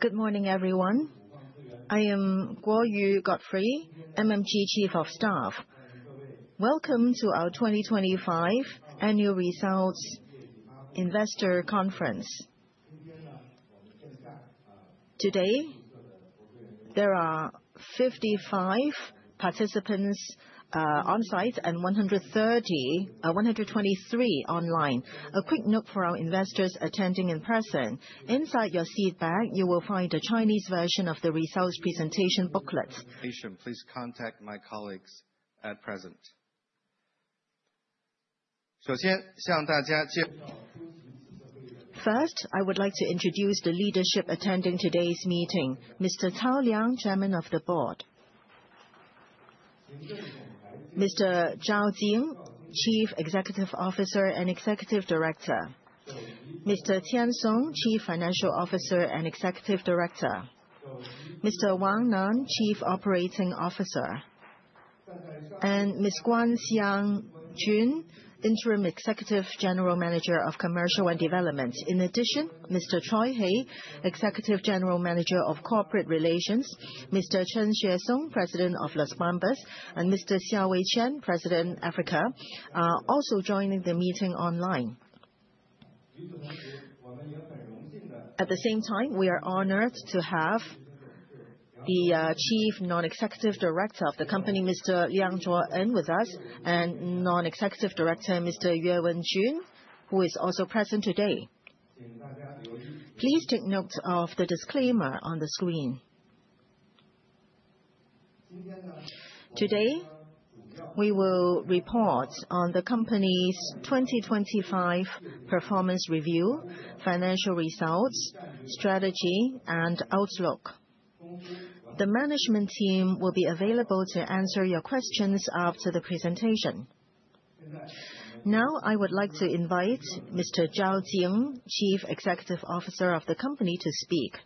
Good morning, everyone. I am Guo Yu Godfrey, MMG Chief of Staff. Welcome to our 2025 Annual Results Investor Conference. Today, there are 55 participants on site and 123 online. A quick note for our investors attending in person: inside your seat bag, you will find a Chinese version of the results presentation booklet. Please contact my colleagues at present. First, I would like to introduce the leadership attending today's meeting. Mr. Cao Liang, Chairman of the Board. Mr. Zhao Jing, Chief Executive Officer and Executive Director. Mr. Qian Song, Chief Financial Officer and Executive Director. Mr. Wang Nan, Chief Operating Officer. Ms. Guan Xiangjun, Interim Executive General Manager of Commercial and Development. In addition, Mr. Troy Hey, Executive General Manager of Corporate Relations. Mr. Chen Xuesong, President of Las Bambas, and Mr. Xia Weiquan, President Africa, are also joining the meeting online. At the same time, we are honored to have the Chief Non-Executive Director of the company, Mr. Leung Cheuk Yan with us, and Non-Executive Director Mr. Yue Wenjun, who is also present today. Please take note of the disclaimer on the screen. Today, we will report on the company's 2025 performance review, financial results, strategy, and outlook. The management team will be available to answer your questions after the presentation. I would like to invite Mr. Zhao Jing, Chief Executive Officer of the company, to speak.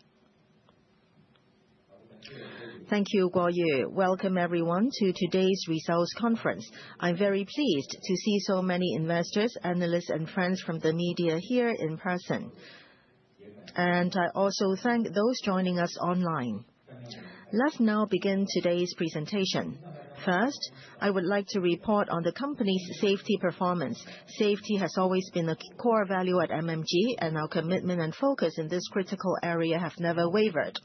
Thank you, Guo Yu. Welcome, everyone, to today's results conference. I'm very pleased to see so many investors, analysts, and friends from the media here in person, and I also thank those joining us online. Let's now begin today's presentation. First, I would like to report on the company's safety performance. Safety has always been a core value at MMG, and our commitment and focus in this critical area have never wavered.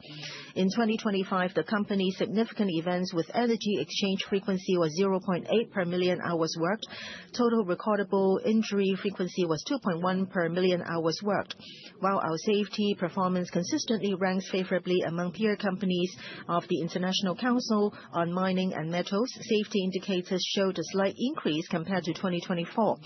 In 2025, the company's significant events with energy exchange frequency was 0.8 per million hours worked. Total Recordable Injury Frequency was 2.1 per million hours worked. While our safety performance consistently ranks favorably among peer companies of the International Council on Mining and Metals, safety indicators showed a slight increase compared to 2024.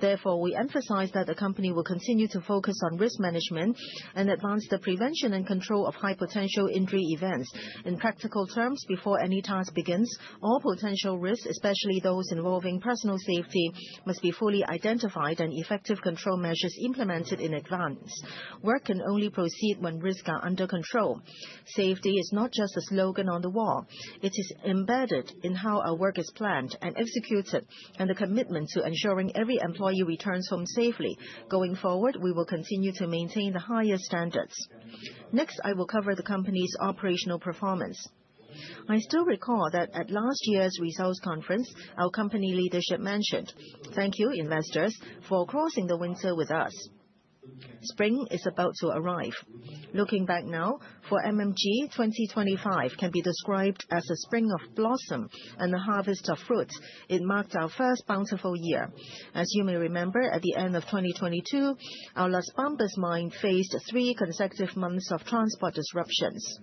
Therefore, we emphasize that the company will continue to focus on risk management and advance the prevention and control of high-potential injury events. In practical terms, before any task begins, all potential risks, especially those involving personal safety, must be fully identified and effective control measures implemented in advance. Work can only proceed when risks are under control. Safety is not just a slogan on the wall, it is embedded in how our work is planned and executed, and the commitment to ensuring every employee returns home safely. Going forward, we will continue to maintain the highest standards. Next, I will cover the company's operational performance. I still recall that at last year's results conference, our company leadership mentioned, "Thank you, investors, for crossing the winter with us. Spring is about to arrive." Looking back now, for MMG, 2025 can be described as a spring of blossom and a harvest of fruit. It marked our first bountiful year. As you may remember, at the end of 2022, our Las Bambas Mine faced three consecutive months of transport disruptions.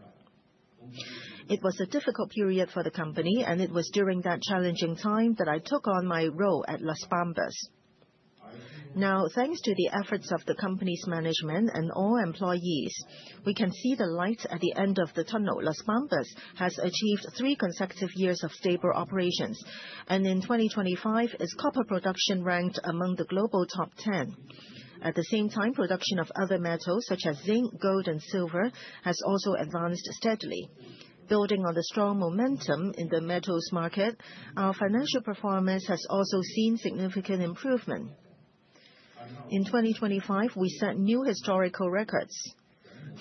It was a difficult period for the company, and it was during that challenging time that I took on my role at Las Bambas. Now, thanks to the efforts of the company's management and all employees, we can see the light at the end of the tunnel. Las Bambas has achieved three consecutive years of stable operations, and in 2025, its copper production ranked among the global top 10. At the same time, production of other metals such as zinc, gold, and silver has also advanced steadily. Building on the strong momentum in the metals market, our financial performance has also seen significant improvement. In 2025, we set new historical records.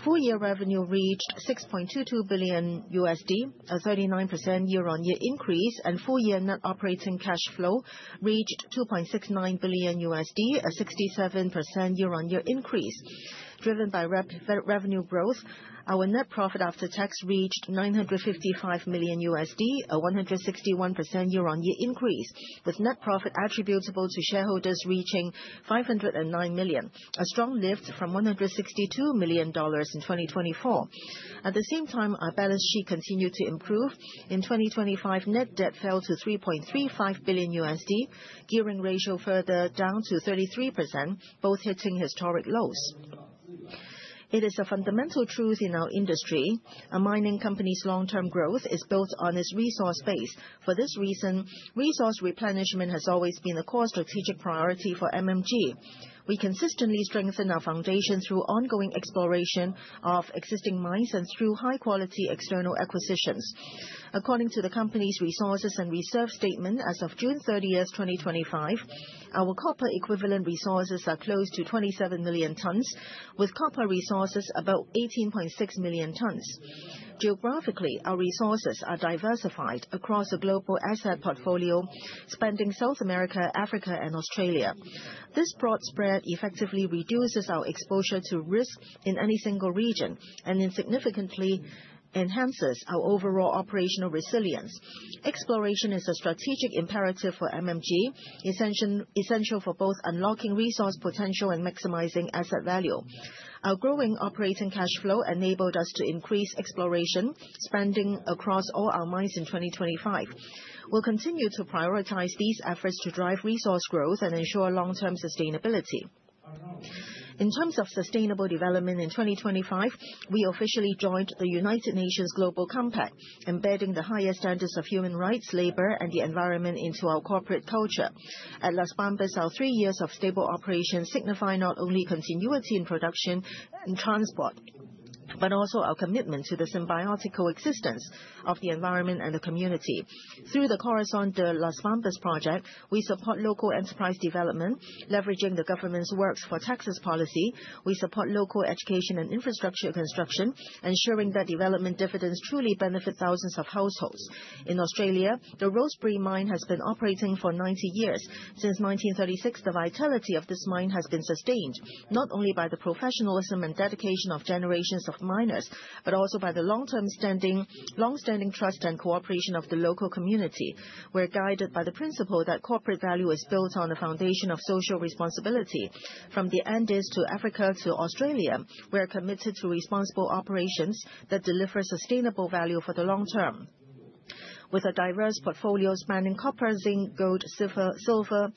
Full year revenue reached $6.22 billion, a 39% year-on-year increase, and full year net operating cash flow reached $2.69 billion, a 67% year-on-year increase. Driven by revenue growth, our net profit after tax reached $955 million, a 161% year-on-year increase, with net profit attributable to shareholders reaching $509 million, a strong lift from $162 million in 2024. Our balance sheet continued to improve. In 2025, net debt fell to $3.35 billion, gearing ratio further down to 33%, both hitting historic lows. It is a fundamental truth in our industry. A mining company's long-term growth is built on its resource base. Resource replenishment has always been a core strategic priority for MMG. We consistently strengthen our foundation through ongoing exploration of existing mines and through high-quality external acquisitions. According to the company's resources and reserve statement as of June 30th, 2025, our copper equivalent resources are close to 27 million tons, with copper resources about 18.6 million tons. Geographically, our resources are diversified across a global asset portfolio spanning South America, Africa and Australia. This broad spread effectively reduces our exposure to risk in any single region and significantly enhances our overall operational resilience. Exploration is a strategic imperative for MMG, essential for both unlocking resource potential and maximizing asset value. Our growing operating cash flow enabled us to increase exploration spending across all our mines in 2025. We'll continue to prioritize these efforts to drive resource growth and ensure long-term sustainability. In terms of sustainable development in 2025, we officially joined the United Nations Global Compact, embedding the highest standards of human rights, labor, and the environment into our corporate culture. At Las Bambas, our three years of stable operations signify not only continuity in production and transport, but also our commitment to the symbiotic coexistence of the environment and the community. Through the Corazón de Las Bambas project, we support local enterprise development, leveraging the government's works for taxes policy. We support local education and infrastructure construction, ensuring that development dividends truly benefit thousands of households. In Australia, the Rosebery mine has been operating for 90 years. Since 1936, the vitality of this mine has been sustained, not only by the professionalism and dedication of generations of miners, but also by the long-standing trust and cooperation of the local community. We're guided by the principle that corporate value is built on a foundation of social responsibility. From the Andes to Africa to Australia, we are committed to responsible operations that deliver sustainable value for the long term. With a diverse portfolio spanning copper, zinc, gold, silver,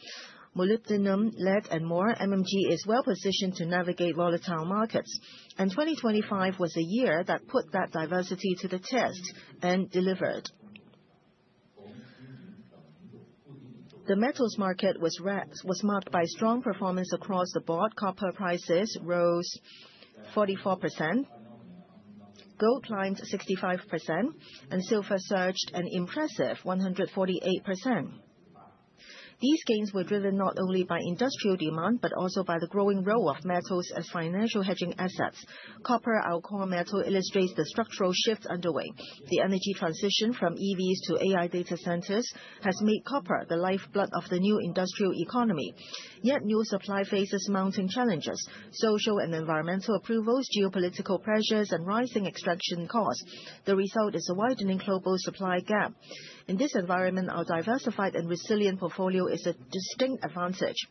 molybdenum, lead, and more, MMG is well-positioned to navigate volatile markets. 2025 was a year that put that diversity to the test and delivered. The metals market was marked by strong performance across the board. Copper prices rose 44%, gold climbed 65%, and silver surged an impressive 148%. These gains were driven not only by industrial demand, but also by the growing role of metals as financial hedging assets. Copper, our core metal, illustrates the structural shift underway. The energy transition from EVs to AI data centers has made copper the lifeblood of the new industrial economy. Yet new supply faces mounting challenges, social and environmental approvals, geopolitical pressures, and rising extraction costs. The result is a widening global supply gap. In this environment, our diversified and resilient portfolio is a distinct advantage.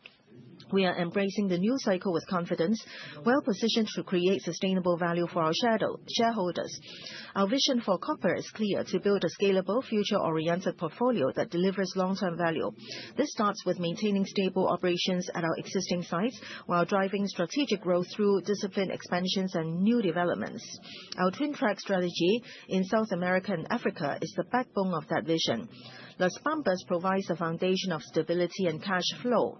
We are embracing the new cycle with confidence, well-positioned to create sustainable value for our shareholders. Our vision for copper is clear, to build a scalable, future-oriented portfolio that delivers long-term value. This starts with maintaining stable operations at our existing sites while driving strategic growth through disciplined expansions and new developments. Our twin-track strategy in South America and Africa is the backbone of that vision. Las Bambas provides a foundation of stability and cash flow.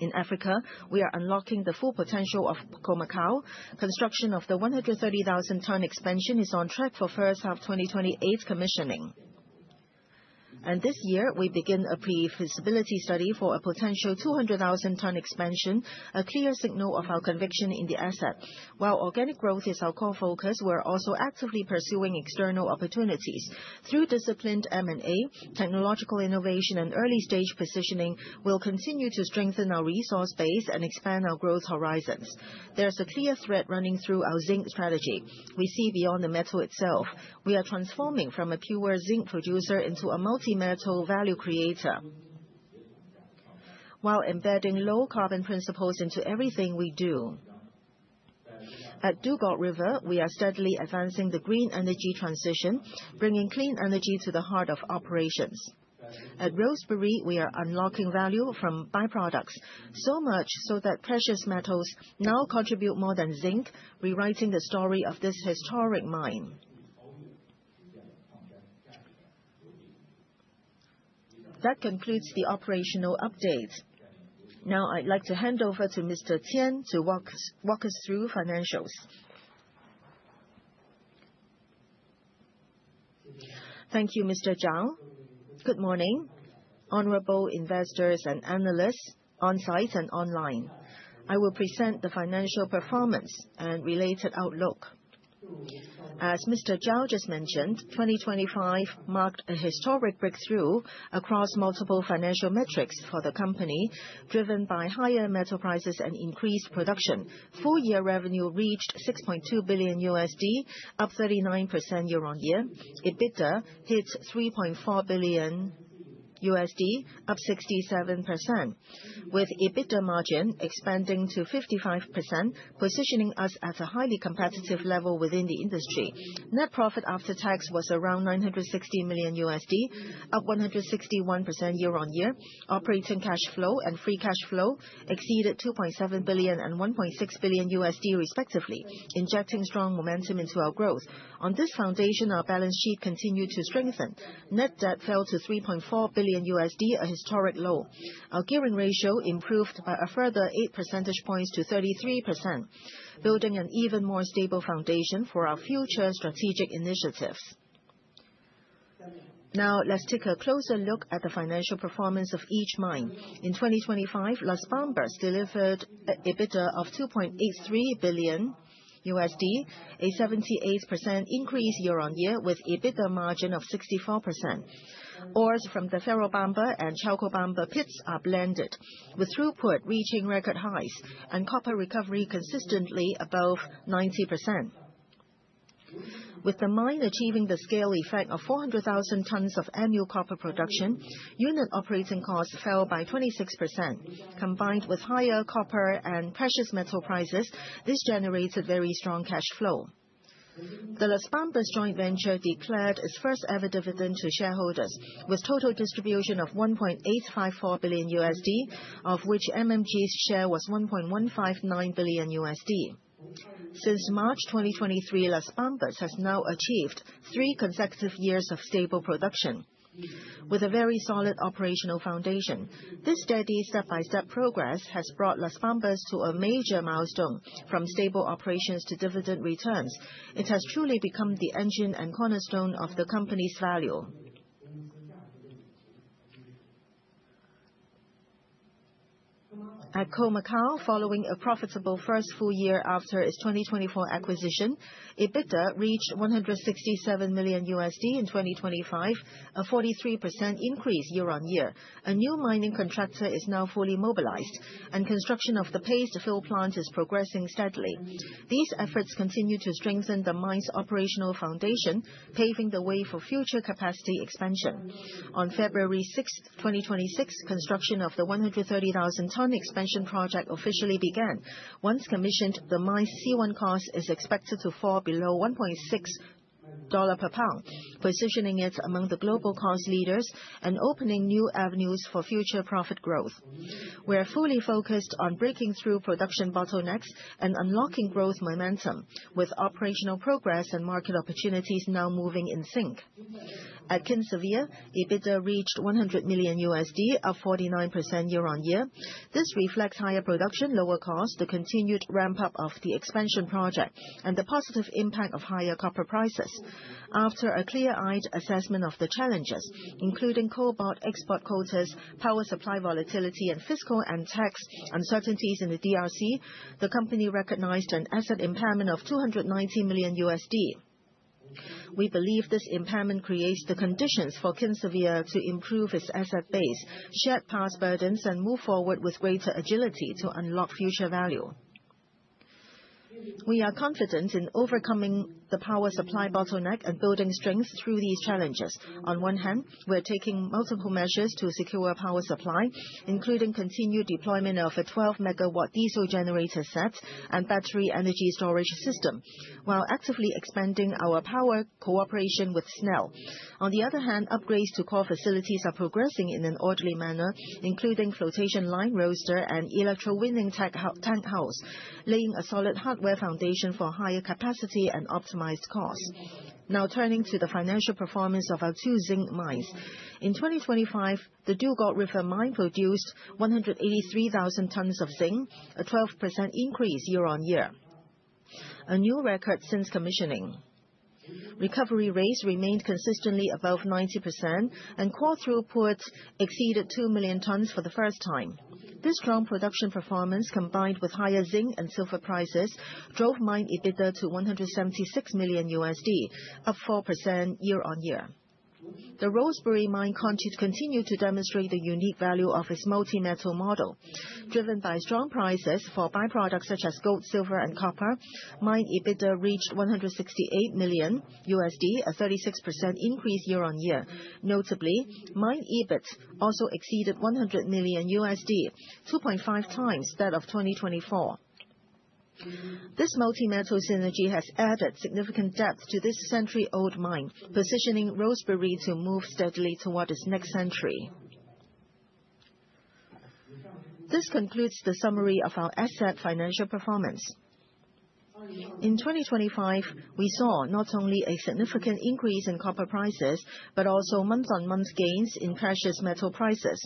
In Africa, we are unlocking the full potential of Khoemacau. Construction of the 130,000 ton expansion is on track for first half of 2028 commissioning. This year, we begin a pre-feasibility study for a potential 200,000 ton expansion, a clear signal of our conviction in the asset. While organic growth is our core focus, we're also actively pursuing external opportunities. Through disciplined M&A, technological innovation, and early-stage positioning, we'll continue to strengthen our resource base and expand our growth horizons. There's a clear thread running through our zinc strategy. We see beyond the metal itself. We are transforming from a pure zinc producer into a multi-metal value creator while embedding low carbon principles into everything we do. At Dugald River, we are steadily advancing the green energy transition, bringing clean energy to the heart of operations. At Rosebery, we are unlocking value from byproducts, so much so that precious metals now contribute more than zinc, rewriting the story of this historic mine. That concludes the operational update. Now I'd like to hand over to Mr. Qian to walk us through financials. Thank you, Mr. Zhao Jing. Good morning, honorable investors and analysts on site and online. I will present the financial performance and related outlook. As Mr. Zhao Jing just mentioned, 2025 marked a historic breakthrough across multiple financial metrics for the company, driven by higher metal prices and increased production. Full year revenue reached $6.2 billion, up 39% year-on-year. EBITDA hits $3.4 billion, up 67%, with EBITDA margin expanding to 55%, positioning us at a highly competitive level within the industry. Net profit after tax was around $960 million, up 161% year-on-year. Operating cash flow and free cash flow exceeded $2.7 billion and $1.6 billion respectively, injecting strong momentum into our growth. On this foundation, our balance sheet continued to strengthen. Net debt fell to $3.4 billion, a historic low. Our gearing ratio improved by a further 8 percentage points to 33%, building an even more stable foundation for our future strategic initiatives. Let's take a closer look at the financial performance of each mine. In 2025, Las Bambas delivered a EBITDA of $2.83 billion, a 78% increase year-on-year, with EBITDA margin of 64%. Ores from the Ferrobamba and Chalcobamba pits are blended, with throughput reaching record highs and copper recovery consistently above 90%. With the mine achieving the scale effect of 400,000 tons of annual copper production, unit operating costs fell by 26%. Combined with higher copper and precious metal prices, this generates a very strong cash flow. The Las Bambas joint venture declared its first ever dividend to shareholders, with total distribution of $1.854 billion, of which MMG's share was $1.159 billion. Since March 2023, Las Bambas has now achieved three consecutive years of stable production, with a very solid operational foundation. This steady step-by-step progress has brought Las Bambas to a major milestone, from stable operations to dividend returns. It has truly become the engine and cornerstone of the company's value. At Khoemacau, following a profitable first full year after its 2024 acquisition, EBITDA reached $167 million in 2025, a 43% increase year-on-year. A new mining contractor is now fully mobilized, and construction of the paste fill plant is progressing steadily. These efforts continue to strengthen the mine's operational foundation, paving the way for future capacity expansion. On February 6, 2026, construction of the 130,000 ton expansion project officially began. Once commissioned, the mine C1 cost is expected to fall below $1.6 per pound, positioning it among the global cost leaders and opening new avenues for future profit growth. We are fully focused on breaking through production bottlenecks and unlocking growth momentum, with operational progress and market opportunities now moving in sync. At Kinsevere, EBITDA reached $100 million, up 49% year-on-year. This reflects higher production, lower cost, the continued ramp-up of the expansion project, and the positive impact of higher copper prices. After a clear-eyed assessment of the challenges, including cobalt export quotas, power supply volatility, and fiscal and tax uncertainties in the DRC, the company recognized an asset impairment of $290 million. We believe this impairment creates the conditions for Kinsevere to improve its asset base, shed past burdens, and move forward with greater agility to unlock future value. We are confident in overcoming the power supply bottleneck and building strength through these challenges. On one hand, we're taking multiple measures to secure power supply, including continued deployment of a 12 MW diesel generator set and battery energy storage system, while actively expanding our power cooperation with SNEL. On the other hand, upgrades to core facilities are progressing in an orderly manner, including flotation line roaster and electrowinning tank house, laying a solid hardware foundation for higher capacity and optimized cost. Turning to the financial performance of our two zinc mines. In 2025, the Dugald River mine produced 183,000 tons of zinc, a 12% increase year-on-year, a new record since commissioning. Recovery rates remained consistently above 90%, and core throughput exceeded 2 million tons for the first time. This strong production performance, combined with higher zinc and silver prices, drove mine EBITDA to $176 million, up 4% year-on-year. The Rosebery Mine continues to demonstrate the unique value of its multi-metal model. Driven by strong prices for byproducts such as gold, silver, and copper, mine EBITDA reached $168 million, a 36% increase year-on-year. Notably, mine EBIT also exceeded $100 million, 2.5x that of 2024. This multi-metal synergy has added significant depth to this century-old mine, positioning Rosebery to move steadily toward its next century. This concludes the summary of our asset financial performance. In 2025, we saw not only a significant increase in copper prices, but also month-on-month gains in precious metal prices.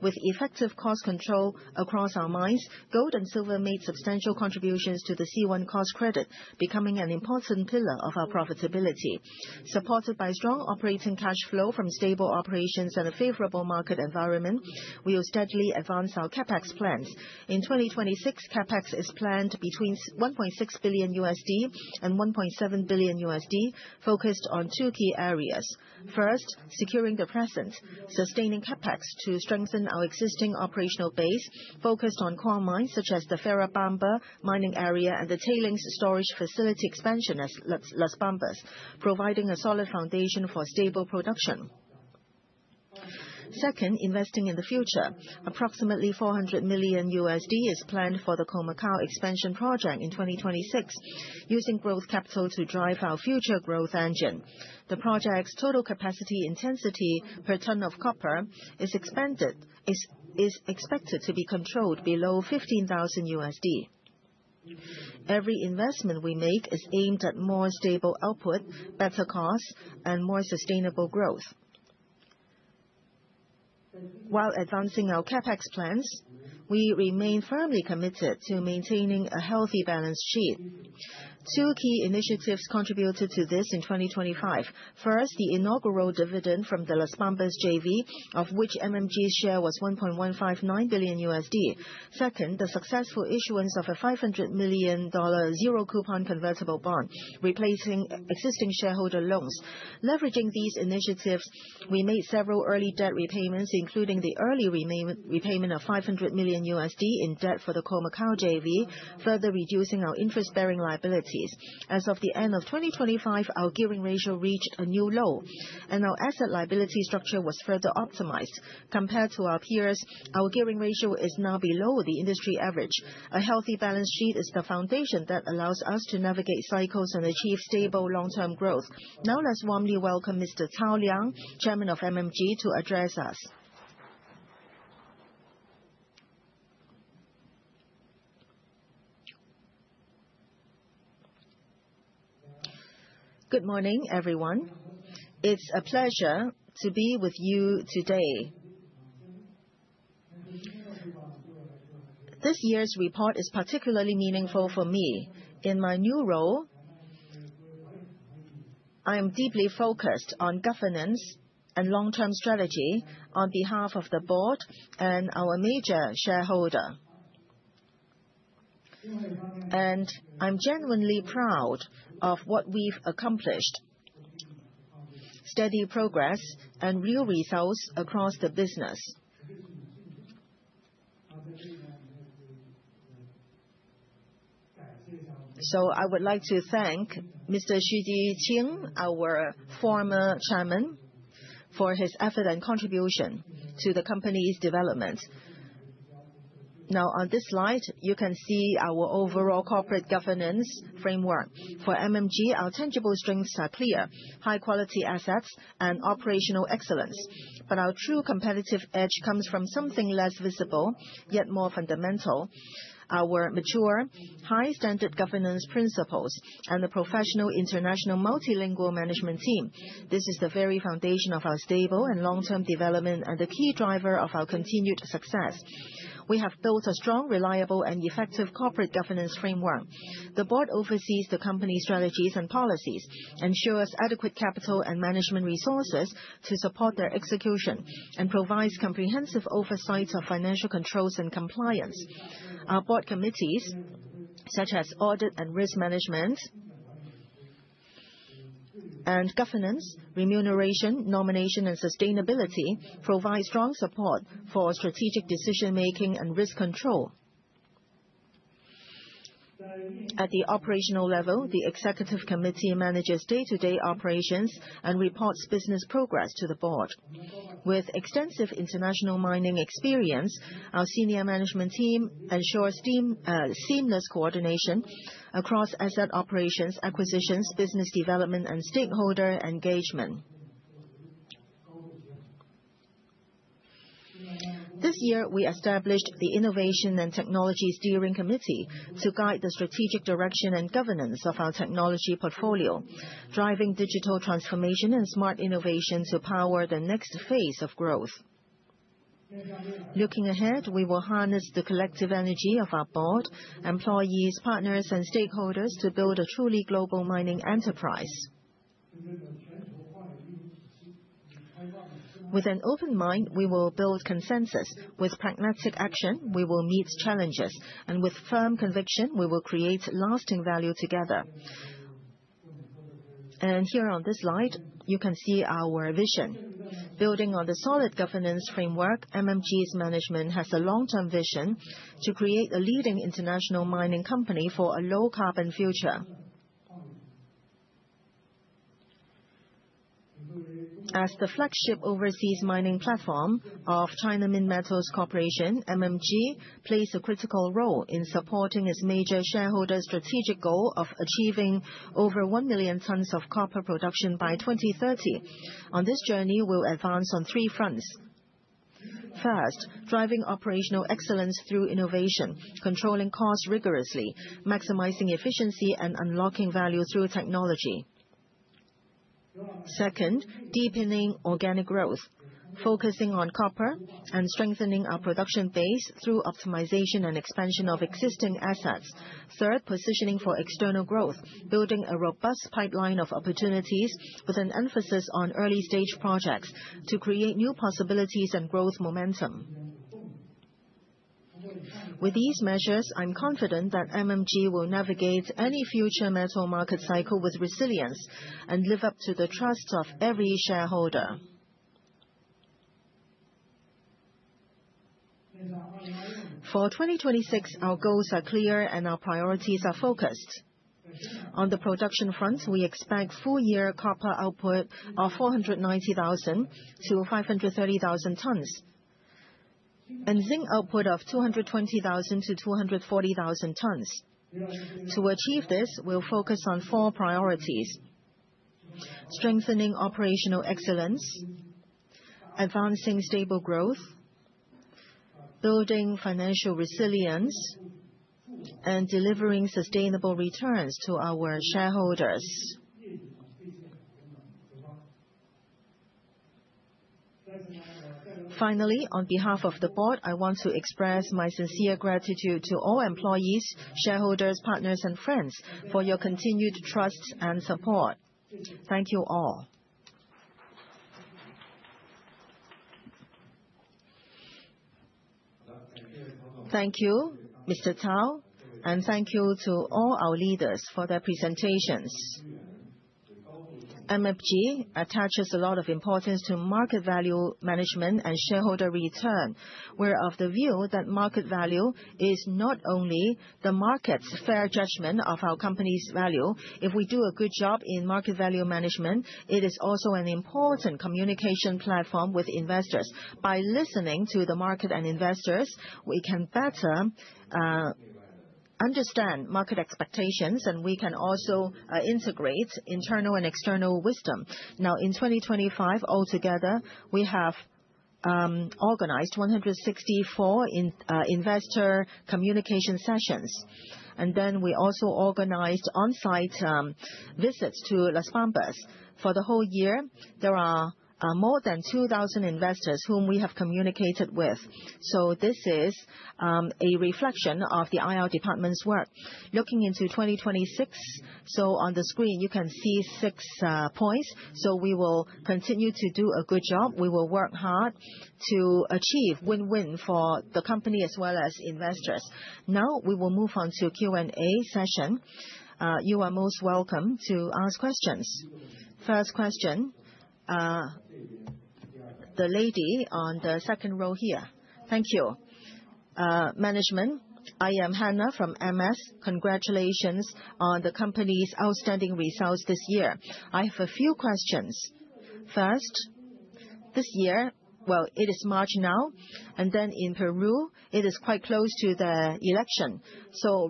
With effective cost control across our mines, gold and silver made substantial contributions to the C1 cost credit, becoming an important pillar of our profitability. Supported by strong operating cash flow from stable operations and a favorable market environment, we will steadily advance our CapEx plans. In 2026, CapEx is planned between $1.6 billion and $1.7 billion, focused on two key areas. First, securing the present, sustaining CapEx to strengthen our existing operational base, focused on core mines such as the Ferrobamba mining area and the tailings storage facility expansion at Las Bambas, providing a solid foundation for stable production. Second, investing in the future. Approximately $400 million is planned for the Khoemacau expansion project in 2026, using growth capital to drive our future growth engine. The project's total capacity intensity per ton of copper is expected to be controlled below $15,000. Every investment we make is aimed at more stable output, better cost, and more sustainable growth. While advancing our CapEx plans, we remain firmly committed to maintaining a healthy balance sheet. Two key initiatives contributed to this in 2025. First, the inaugural dividend from the Las Bambas JV, of which MMG's share was $1.159 billion. Second, the successful issuance of a $500 million zero-coupon convertible bond, replacing existing shareholder loans. Leveraging these initiatives, we made several early debt repayments, including the early repayment of $500 million in debt for the Khoemacau JV, further reducing our interest-bearing liabilities. As of the end of 2025, our gearing ratio reached a new low, and our asset liability structure was further optimized. Compared to our peers, our gearing ratio is now below the industry average. A healthy balance sheet is the foundation that allows us to navigate cycles and achieve stable long-term growth. Let's warmly welcome Mr. Cao Liang, Chairman of MMG, to address us. Good morning, everyone. It's a pleasure to be with you today. This year's report is particularly meaningful for me. In my new role, I am deeply focused on governance and long-term strategy on behalf of the board and our major shareholder. I'm genuinely proud of what we've accomplished. Steady progress and real results across the business. I would like to thank Mr. Xu Jiqing, our Former Chairman, for his effort and contribution to the company's development. On this slide, you can see our overall corporate governance framework. For MMG, our tangible strengths are clear, high quality assets and operational excellence. Our true competitive edge comes from something less visible, yet more fundamental, our mature, high-standard governance principles and a professional international multilingual management team. This is the very foundation of our stable and long-term development and the key driver of our continued success. We have built a strong, reliable, and effective corporate governance framework. The board oversees the company strategies and policies, ensures adequate capital and management resources to support their execution, and provides comprehensive oversight of financial controls and compliance. Our board committees, such as audit and risk management, and governance, remuneration, nomination, and sustainability, provide strong support for strategic decision-making and risk control. At the operational level, the executive committee manages day-to-day operations and reports business progress to the board. With extensive international mining experience, our senior management team ensures seamless coordination across asset operations, acquisitions, business development, and stakeholder engagement. This year, we established the Innovation and Technology Steering Committee to guide the strategic direction and governance of our technology portfolio, driving digital transformation and smart innovation to power the next phase of growth. Looking ahead, we will harness the collective energy of our board, employees, partners, and stakeholders to build a truly global mining enterprise. With an open mind, we will build consensus. With pragmatic action, we will meet challenges. With firm conviction, we will create lasting value together. Here on this slide, you can see our vision. Building on the solid governance framework, MMG's management has a long-term vision to create a leading international mining company for a low carbon future. As the flagship overseas mining platform of China Minmetals Corporation, MMG plays a critical role in supporting its major shareholder strategic goal of achieving over 1 million tons of copper production by 2030. On this journey, we'll advance on three fronts. First, driving operational excellence through innovation, controlling costs rigorously, maximizing efficiency, and unlocking value through technology. Second, deepening organic growth, focusing on copper and strengthening our production base through optimization and expansion of existing assets. Third, positioning for external growth, building a robust pipeline of opportunities with an emphasis on early-stage projects to create new possibilities and growth momentum. With these measures, I'm confident that MMG will navigate any future metal market cycle with resilience and live up to the trust of every shareholder. For 2026, our goals are clear and our priorities are focused. On the production front, we expect full year copper output of 490,000 to 530,000 tons, and zinc output of 220,000 to 240,000 tons. To achieve this, we'll focus on four priorities: strengthening operational excellence, advancing stable growth, building financial resilience, and delivering sustainable returns to our shareholders. On behalf of the board, I want to express my sincere gratitude to all employees, shareholders, partners, and friends for your continued trust and support. Thank you, all. Thank you, Mr. Tao. Thank you to all our leaders for their presentations. MMG attaches a lot of importance to market value management and shareholder return. We're of the view that market value is not only the market's fair judgment of our company's value. If we do a good job in market value management, it is also an important communication platform with investors. By listening to the market and investors, we can better understand market expectations, and we can also integrate internal and external wisdom. In 2025, altogether, we have organized 164 investor communication sessions. We also organized on-site visits to Las Bambas. For the whole year, there are more than 2,000 investors whom we have communicated with. This is a reflection of the IR department's work. Looking into 2026, on the screen, you can see 6 points. We will continue to do a good job. We will work hard to achieve win-win for the company as well as investors. We will move on to Q&A session. You are most welcome to ask questions. First question, the lady on the second row here. Thank you. Management, I am Hannah from MS. Congratulations on the company's outstanding results this year. I have a few questions. First, this year, it is March now, in Peru it is quite close to the election.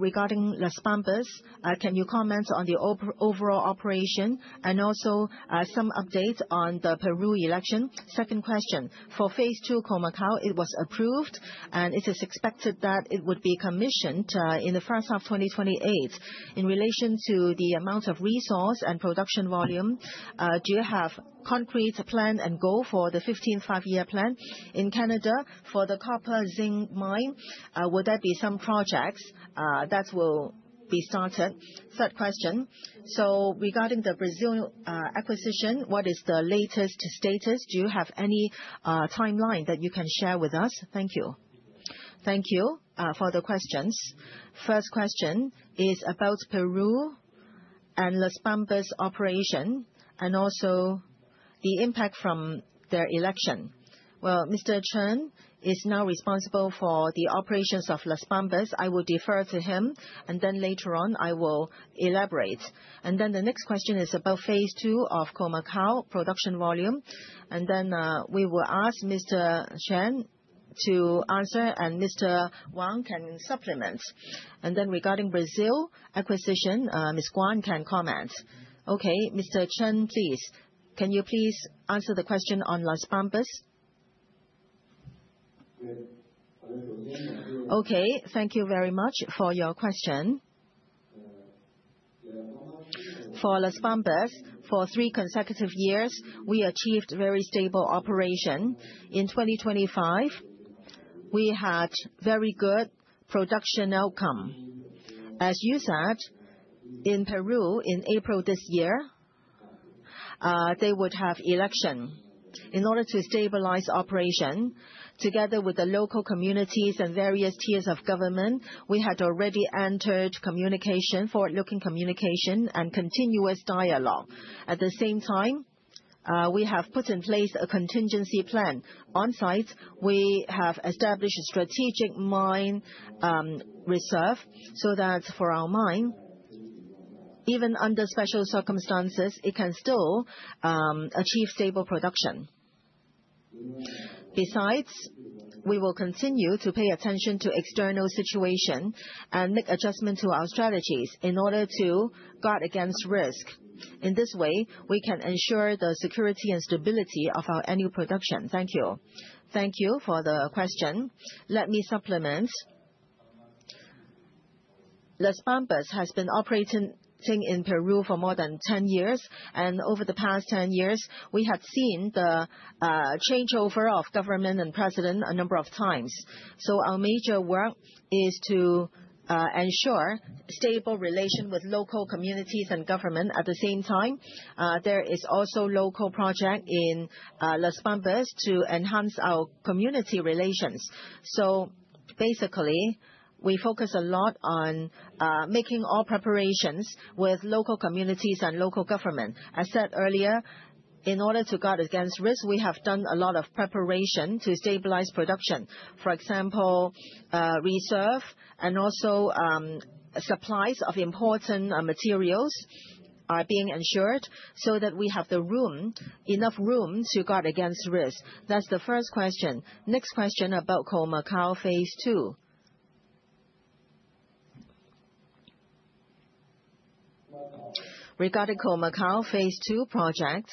Regarding Las Bambas, can you comment on the overall operation, some updates on the Peru election? Second question, for phase II, Chalcobamba, it was approved, it is expected that it would be commissioned in the first half 2028. In relation to the amount of resource and production volume, do you have concrete plan and goal for the 15th Five-Year Plan? In Canada, for the copper zinc mine, will there be some projects that will be started? Third question, regarding the Brazil acquisition, what is the latest status? Do you have any timeline that you can share with us? Thank you. Thank you for the questions. First question is about Peru and Las Bambas operation, and also the impact from their election. Well, Mr. Chen is now responsible for the operations of Las Bambas. I will defer to him, later on, I will elaborate. The next question is about phase 2 of Khoemacau production volume. We will ask Mr. Chen to answer, and Mr. Wang can supplement. Regarding Brazil acquisition, Ms. Guan can comment. Okay. Mr. Chen, please. Can you please answer the question on Las Bambas? Okay, thank you very much for your question. For Las Bambas, for three consecutive years, we achieved very stable operation. In 2025, we had very good production outcome. As you said, in Peru, in April this year, they would have election. In order to stabilize operation, together with the local communities and various tiers of government, we had already entered communication, forward-looking communication and continuous dialogue. At the same time, we have put in place a contingency plan. On site, we have established a strategic mine, reserve so that for our mine, even under special circumstances, it can still achieve stable production. We will continue to pay attention to external situation and make adjustment to our strategies in order to guard against risk. In this way, we can ensure the security and stability of our annual production. Thank you. Thank you for the question. Let me supplement. Las Bambas has been operating in Peru for more than 10 years, and over the past 10 years, we have seen the changeover of government and president a number of times. Our major work is to ensure stable relation with local communities and government. At the same time, there is also local project in Las Bambas to enhance our community relations. Basically, we focus a lot on making all preparations with local communities and local government. I said earlier, in order to guard against risk, we have done a lot of preparation to stabilize production. For example, reserve and also, supplies of important materials are being ensured so that we have the room, enough room to guard against risk. That's the first question. Next question about Khoemacau phase II. Regarding Khoemacau phase II project,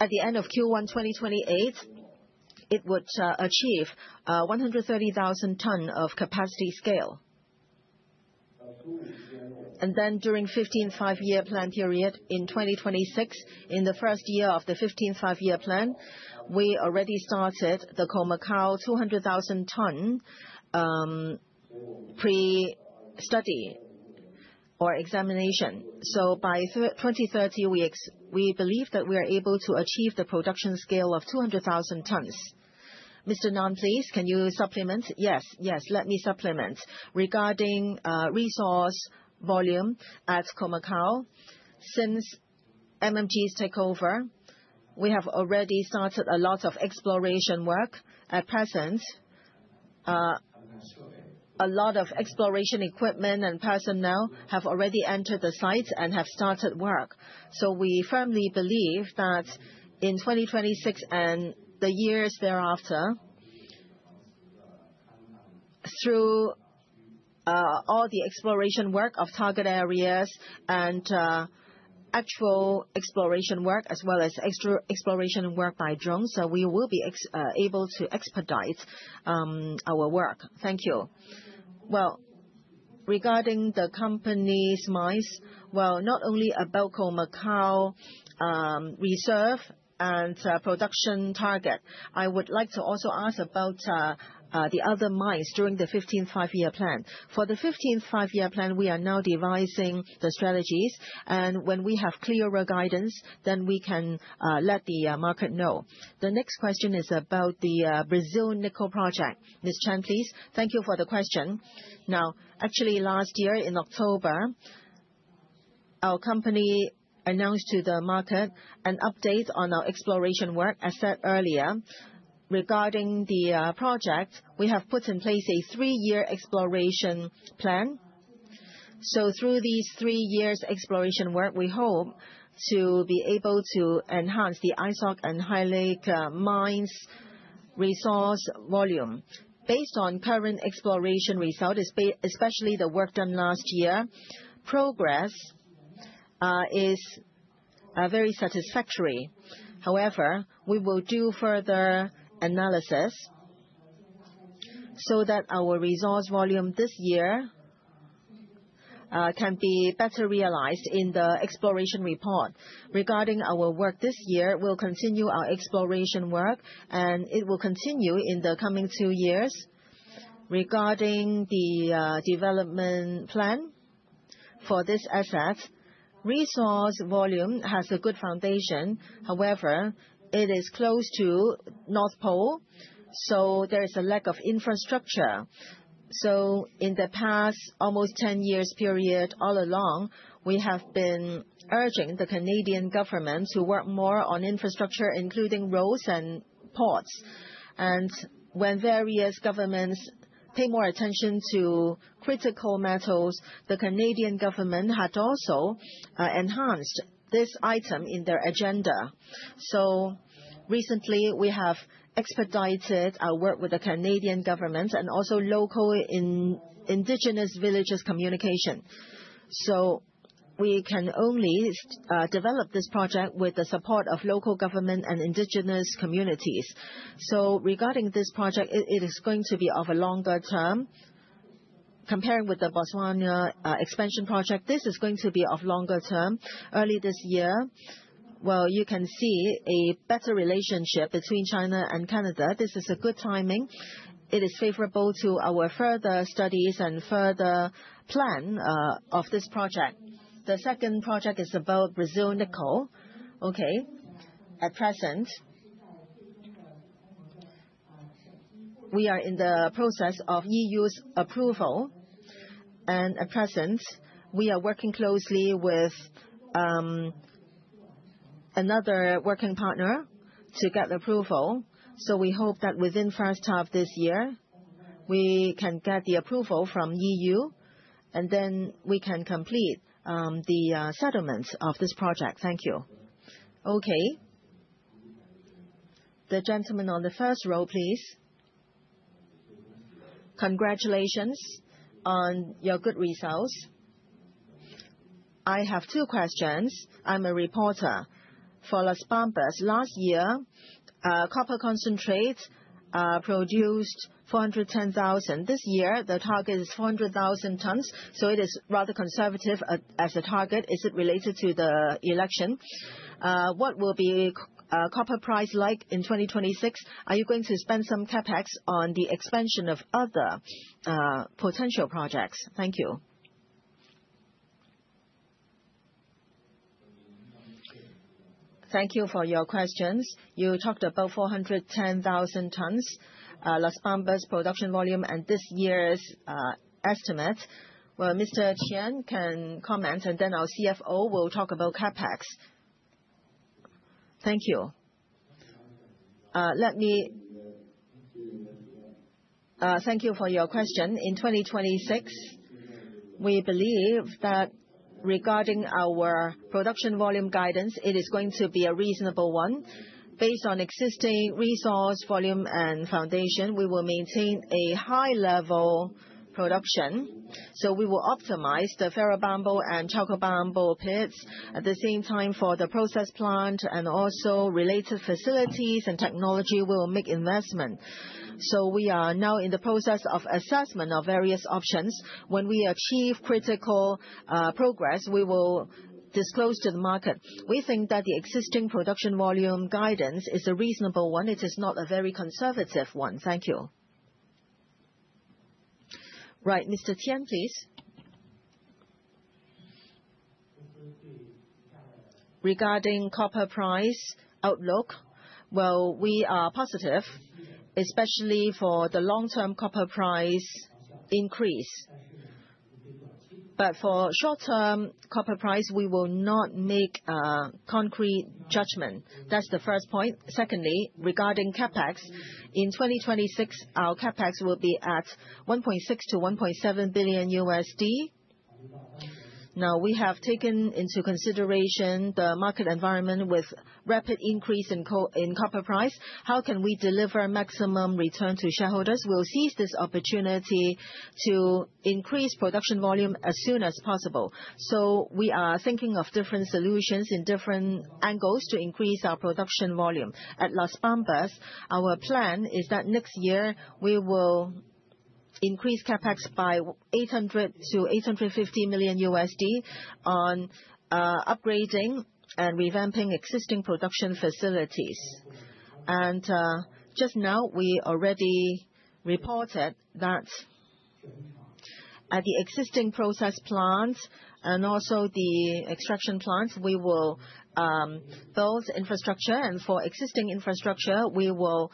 at the end of Q1 2028, it would achieve 130,000 ton of capacity scale. During 15th Five-Year Plan period in 2026, in the first year of the 15th Five-Year Plan, we already started the Khoemacau 200,000 ton pre-study or examination. By 2030, we believe that we are able to achieve the production scale of 200,000 tons. Mr. Nan, please, can you supplement? Yes, let me supplement. Regarding resource volume at Khoemacau, since MMG's takeover, we have already started a lot of exploration work. At present, a lot of exploration equipment and personnel have already entered the site and have started work. We firmly believe that in 2026 and the years thereafter, through all the exploration work of target areas and actual exploration work as well as extra exploration work by drones, we will be able to expedite our work. Thank you. Regarding the company's mines, not only about Khoemacau reserve and production target, I would like to also ask about the other mines during the 15th Five-Year Plan. For the 15th Five-Year Plan, we are now devising the strategies, and when we have clearer guidance, then we can let the market know. The next question is about the Brazil nickel project. Ms. Chen, please. Thank you for the question. Actually last year in October, our company announced to the market an update on our exploration work, as said earlier. Regarding the project, we have put in place a three-year exploration plan. Through these three years exploration work, we hope to be able to enhance the Izok and High Lake Mines' resource volume. Based on current exploration result, especially the work done last year, progress is very satisfactory. However, we will do further analysis so that our resource volume this year can be better realized in the exploration report. Regarding our work this year, we'll continue our exploration work, and it will continue in the coming two years. Regarding the development plan for this asset, resource volume has a good foundation. However, it is close to North Pole, so there is a lack of infrastructure. In the past almost 10 years period, all along, we have been urging the Canadian government to work more on infrastructure, including roads and ports. When various governments pay more attention to critical metals, the Canadian government had also enhanced this item in their agenda. Recently, we have expedited our work with the Canadian government and also local indigenous villagers communication. We can only develop this project with the support of local government and indigenous communities. Regarding this project, it is going to be of a longer term. Comparing with the Botswana expansion project, this is going to be of longer term. Early this year, well, you can see a better relationship between China and Canada. This is a good timing. It is favorable to our further studies and further plan of this project. The second project is about Brazil nickel. Okay. At present, we are in the process of EU's approval. At present, we are working closely with another working partner to get approval. We hope that within first half this year, we can get the approval from EU, we can complete the settlements of this project. Thank you. Okay. The gentleman on the first row, please. Congratulations on your good results. I have two questions. I'm a reporter. For Las Bambas, last year, copper concentrate produced 410,000 tons. This year, the target is 400,000 tons, it is rather conservative as a target. Is it related to the election? What will be copper price like in 2026? Are you going to spend some CapEx on the expansion of other potential projects? Thank you. Thank you for your questions. You talked about 410,000 tons, Las Bambas production volume and this year's estimate. Well, Mr. Chen can comment. Then our CFO will talk about CapEx. Thank you. Thank you for your question. In 2026, we believe that regarding our production volume guidance, it is going to be a reasonable one. Based on existing resource, volume, and foundation, we will maintain a high level production. We will optimize the Ferrobamba and Chalcobamba pits. At the same time, for the process plant and also related facilities and technology, we will make investment. We are now in the process of assessment of various options. When we achieve critical progress, we will disclose to the market. We think that the existing production volume guidance is a reasonable one. It is not a very conservative one. Thank you. Right. Mr. Qian, please. Regarding copper price outlook, well, we are positive, especially for the long-term copper price increase. For short-term copper price, we will not make a concrete judgment. That's the first point. Secondly, regarding CapEx, in 2026, our CapEx will be at $1.6 billion-$1.7 billion. Now we have taken into consideration the market environment with rapid increase in copper price. How can we deliver maximum return to shareholders? We'll seize this opportunity to increase production volume as soon as possible. We are thinking of different solutions in different angles to increase our production volume. At Las Bambas, our plan is that next year we will increase CapEx by $800 million-$850 million on upgrading and revamping existing production facilities. Just now, we already reported that at the existing process plants and also the extraction plants, we will build infrastructure. For existing infrastructure, we will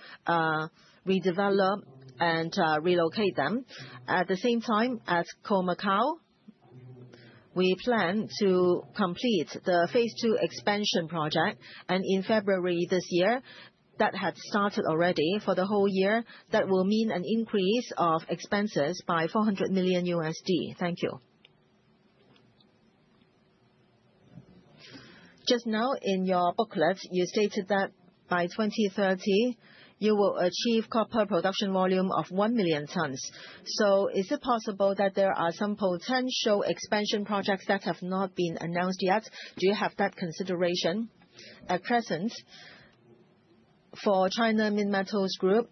redevelop and relocate them. At the same time, at Khoemacau, we plan to complete the phase II expansion project. In February this year, that had started already. For the whole year, that will mean an increase of expenses by $400 million. Thank you. Just now, in your booklet, you stated that by 2030, you will achieve copper production volume of 1 million tons. Is it possible that there are some potential expansion projects that have not been announced yet? Do you have that consideration at present? For China Minmetals Group,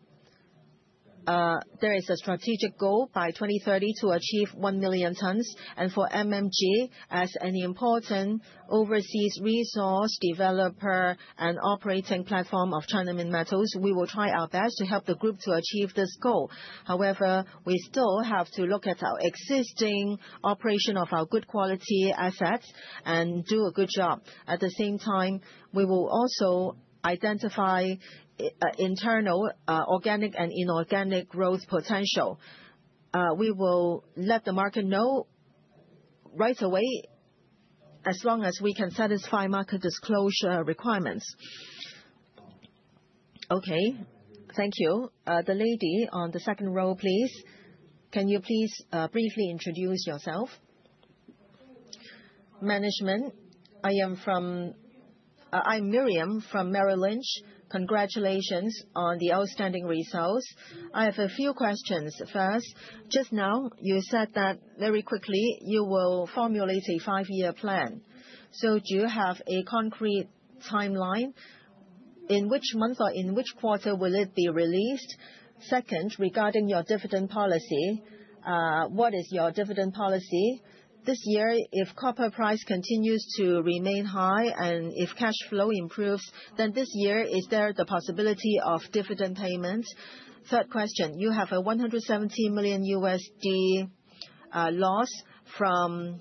there is a strategic goal by 2030 to achieve 1 million tons. For MMG, as an important overseas resource developer and operating platform of China Minmetals, we will try our best to help the group to achieve this goal. However, we still have to look at our existing operation of our good quality assets and do a good job. At the same time, we will also identify internal, organic and inorganic growth potential. We will let the market know right away, as long as we can satisfy market disclosure requirements. Thank you. The lady on the second row, please. Can you please briefly introduce yourself? I am Miriam from Merrill Lynch. Congratulations on the outstanding results. I have a few questions. Just now, you said that very quickly you will formulate a five-year plan. Do you have a concrete timeline? In which month or in which quarter will it be released? Second, regarding your dividend policy, what is your dividend policy? This year, if copper price continues to remain high and if cash flow improves, this year, is there the possibility of dividend payments? Third question, you have a $170 million loss from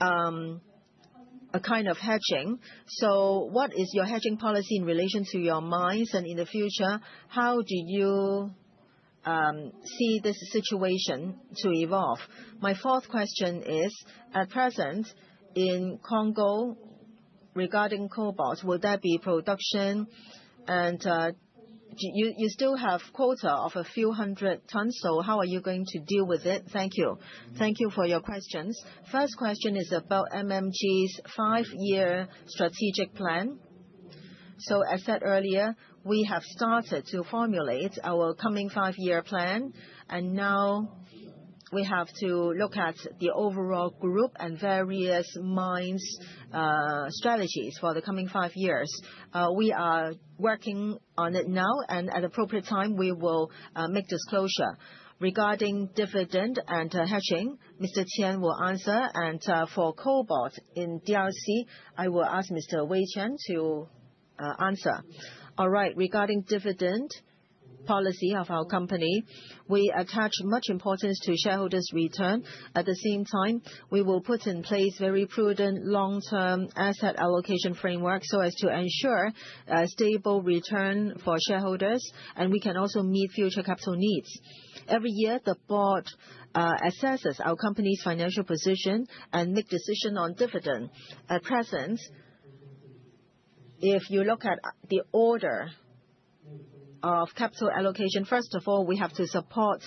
a kind of hedging. What is your hedging policy in relation to your mines? In the future, how do you see this situation to evolve? My fourth question is at present, in Congo, regarding cobalt, will there be production? You still have quota of a few hundred tons. How are you going to deal with it? Thank you. Thank you for your questions. First question is about MMG's five-year strategic plan. As said earlier, we have started to formulate our coming five-year plan, and now we have to look at the overall group and various mines' strategies for the coming five years. We are working on it now, and at appropriate time, we will make disclosure. Regarding dividend and hedging, Mr. Qian will answer. For cobalt in DRC, I will ask Mr. Weiquan to answer. All right. Regarding dividend policy of our company, we attach much importance to shareholders' return. At the same time, we will put in place very prudent long-term asset allocation framework so as to ensure a stable return for shareholders, and we can also meet future capital needs. Every year, the board assesses our company's financial position and make decision on dividend. At present, if you look at the order of capital allocation, first of all, we have to support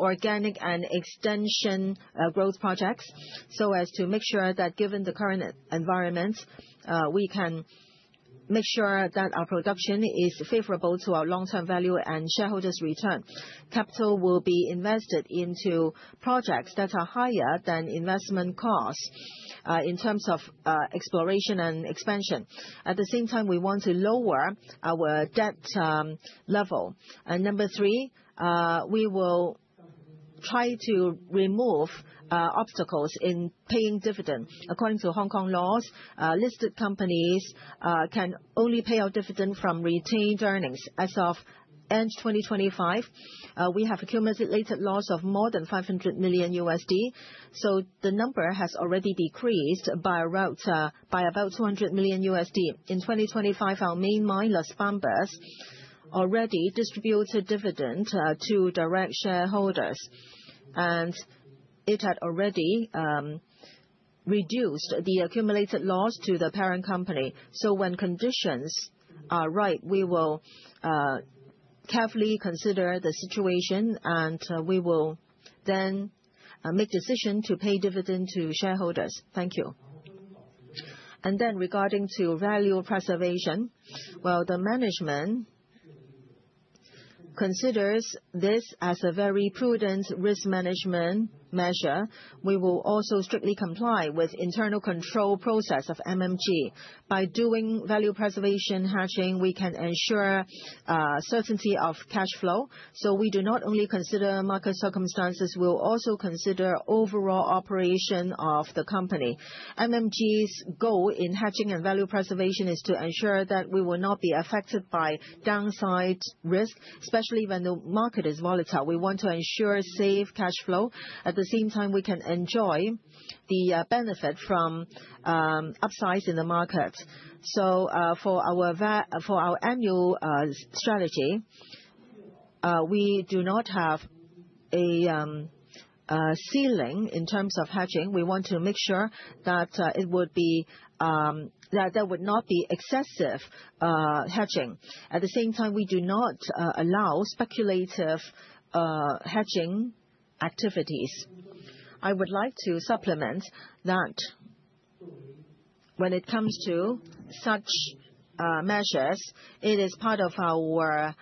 organic and extension growth projects so as to make sure that given the current environment, we can make sure that our production is favorable to our long-term value and shareholders' return. Capital will be invested into projects that are higher than investment costs, in terms of exploration and expansion. At the same time, we want to lower our debt level. Number three, we will try to remove obstacles in paying dividend. According to Hong Kong laws, listed companies can only pay out dividend from retained earnings. As of end 2025, we have accumulated loss of more than $500 million. The number has already decreased by about $200 million. In 2025, our main miner, Las Bambas, already distributed dividend to direct shareholders, and it had already reduced the accumulated loss to the parent company. When conditions are right, we will carefully consider the situation, and we will then make decision to pay dividend to shareholders. Thank you. Regarding to value preservation, well, the management considers this as a very prudent risk management measure. We will also strictly comply with internal control process of MMG. By doing value preservation hedging, we can ensure certainty of cash flow. We do not only consider market circumstances, we'll also consider overall operation of the company. MMG's goal in hedging and value preservation is to ensure that we will not be affected by downside risk, especially when the market is volatile. We want to ensure safe cash flow. At the same time, we can enjoy the benefit from upsides in the market. For our annual strategy, we do not have a ceiling in terms of hedging. We want to make sure that there would not be excessive hedging. At the same time, we do not allow speculative hedging activities. I would like to supplement that when it comes to such measures, it is part of our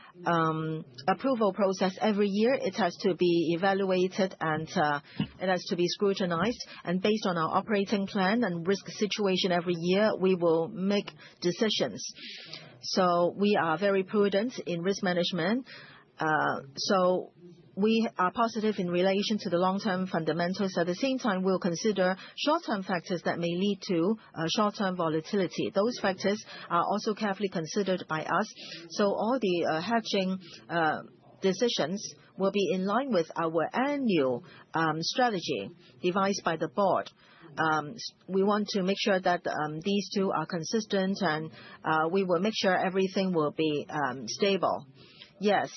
approval process. Every year, it has to be evaluated, and it has to be scrutinized. Based on our operating plan and risk situation every year, we will make decisions. We are very prudent in risk management. We are positive in relation to the long-term fundamentals. At the same time, we'll consider short-term factors that may lead to short-term volatility. Those factors are also carefully considered by us. All the hedging decisions will be in line with our annual strategy devised by the board. We want to make sure that these two are consistent, and we will make sure everything will be stable. Yes.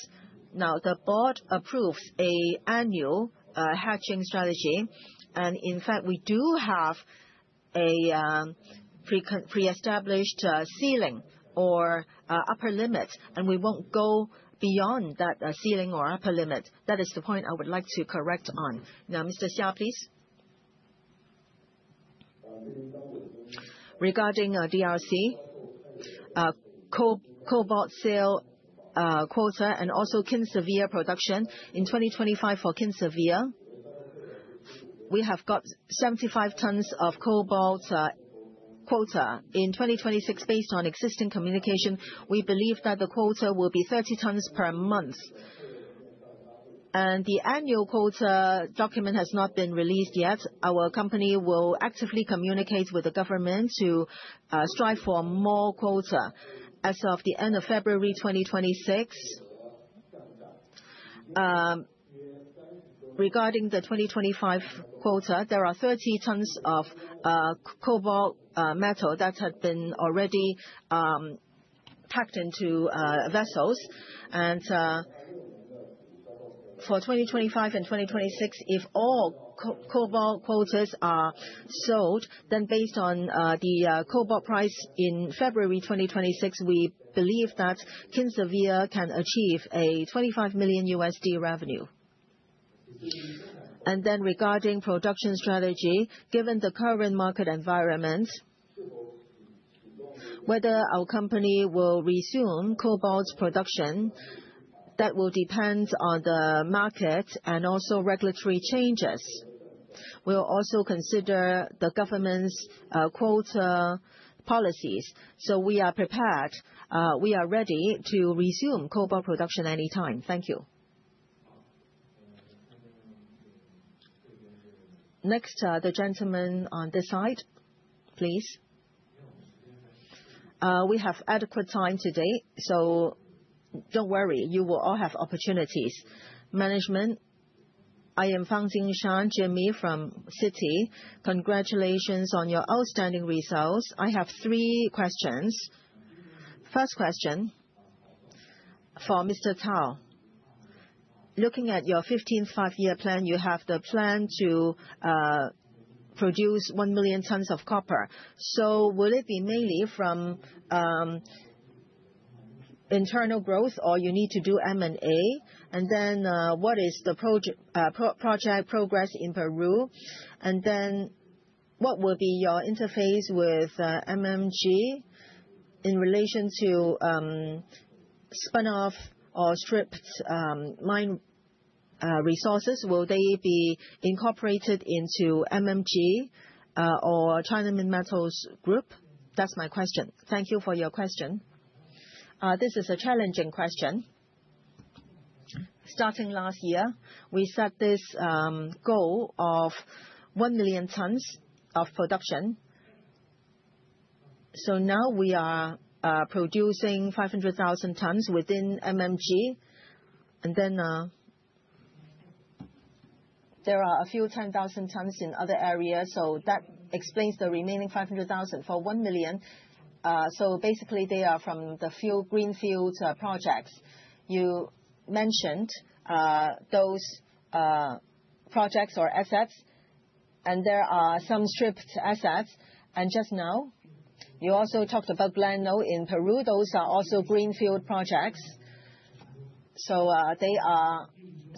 The board approves a annual hedging strategy, and in fact, we do have a pre-established ceiling or upper limit, and we won't go beyond that ceiling or upper limit. That is the point I would like to correct on. Mr. Xia, please. Regarding our DRC cobalt sale quota and also Kinsevere production. In 2025 for Kinsevere, we have got 75 tons of cobalt quota. In 2026 based on existing communication, we believe that the quota will be 30 tons per month. The annual quota document has not been released yet. Our company will actively communicate with the government to strive for more quota. As of the end of February 2026, regarding the 2025 quota, there are 30 tons of cobalt metal that had been already packed into vessels. For 2025 and 2026, if all cobalt quotas are sold, then based on the cobalt price in February 2026, we believe that Kinsevere can achieve a $25 million revenue. Regarding production strategy, given the current market environment, whether our company will resume cobalt production, that will depend on the market and also regulatory changes. We'll also consider the government's quota policies. We are prepared, we are ready to resume cobalt production any time. Thank you. Next, the gentleman on this side, please. We have adequate time today, don't worry, you will all have opportunities. Management, I am Feng Jingshan, Jimmy from Citi. Congratulations on your outstanding results. I have three questions. First question, for Mr. Zhao. Looking at your 15th Five-Year Plan, you have the plan to produce 1 million tons of copper. Will it be mainly from internal growth or you need to do M&A? What is the project progress in Peru? What will be your interface with MMG in relation to spin-off or stripped mine resources? Will they be incorporated into MMG or China Minmetals Group? That's my question. Thank you for your question. This is a challenging question. Starting last year, we set this goal of 1 million tons of production. Now we are producing 500,000 tons within MMG. Then there are a few 10,000 tons in other areas, so that explains the remaining 500,000 tons for 1 million tons. Basically, they are from the few greenfield projects. You mentioned those projects or assets, and there are some stripped assets. Just now, you also talked about Glencore in Peru. Those are also greenfield projects. They are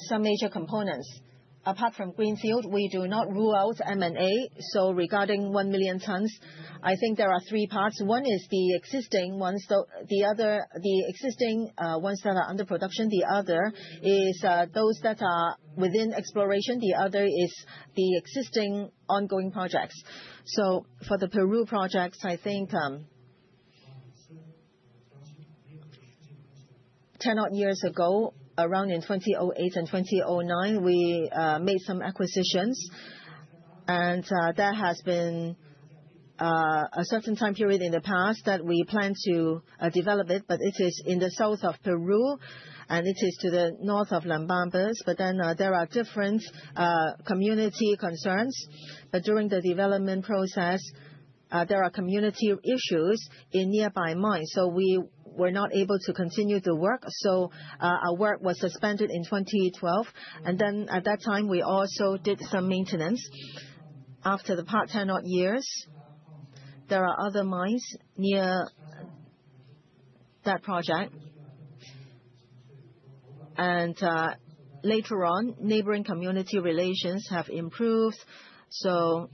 some major components. Apart from greenfield, we do not rule out M&A. Regarding 1 million tons, I think there are three parts. One is the existing ones that are under production, the other is those that are within exploration, the other is the existing ongoing projects. For the Peru projects, I think, 10 odd years ago, around in 2008 and 2009, we made some acquisitions. There has been a certain time period in the past that we planned to develop it, but it is in the south of Peru, and it is to the north of Las Bambas. There are different community concerns. During the development process, there are community issues in nearby mines, so we were not able to continue the work. Our work was suspended in 2012. At that time, we also did some maintenance. After the past 10 odd years, there are other mines near that project. Later on, neighboring community relations have improved, so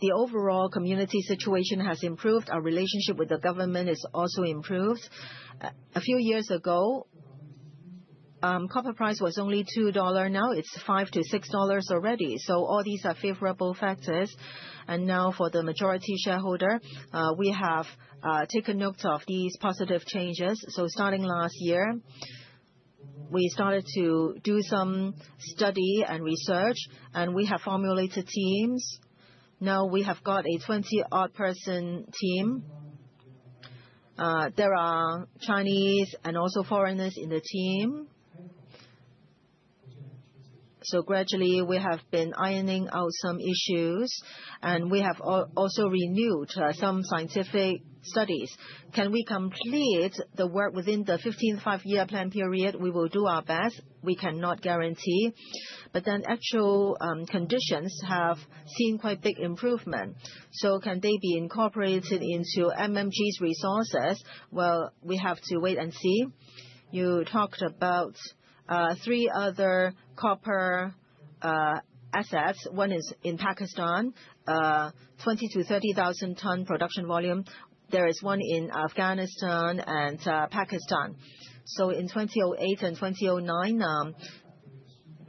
the overall community situation has improved. Our relationship with the government has also improved. A few years ago, copper price was only $2. It's $5-$6 already. All these are favorable factors. For the majority shareholder, we have taken note of these positive changes. Starting last year, we started to do some study and research, and we have formulated teams. We have got a 20-odd person team. There are Chinese and also foreigners in the team. Gradually, we have been ironing out some issues, and we have also renewed some scientific studies. Can we complete the work within the 15th Five-Year Plan period? We will do our best. We cannot guarantee. Actual conditions have seen quite big improvement. Can they be incorporated into MMG's resources? Well, we have to wait and see. You talked about three other copper assets. One is in Pakistan, 20,000-30,000 ton production volume. There is one in Afghanistan and Pakistan. In 2008 and 2009,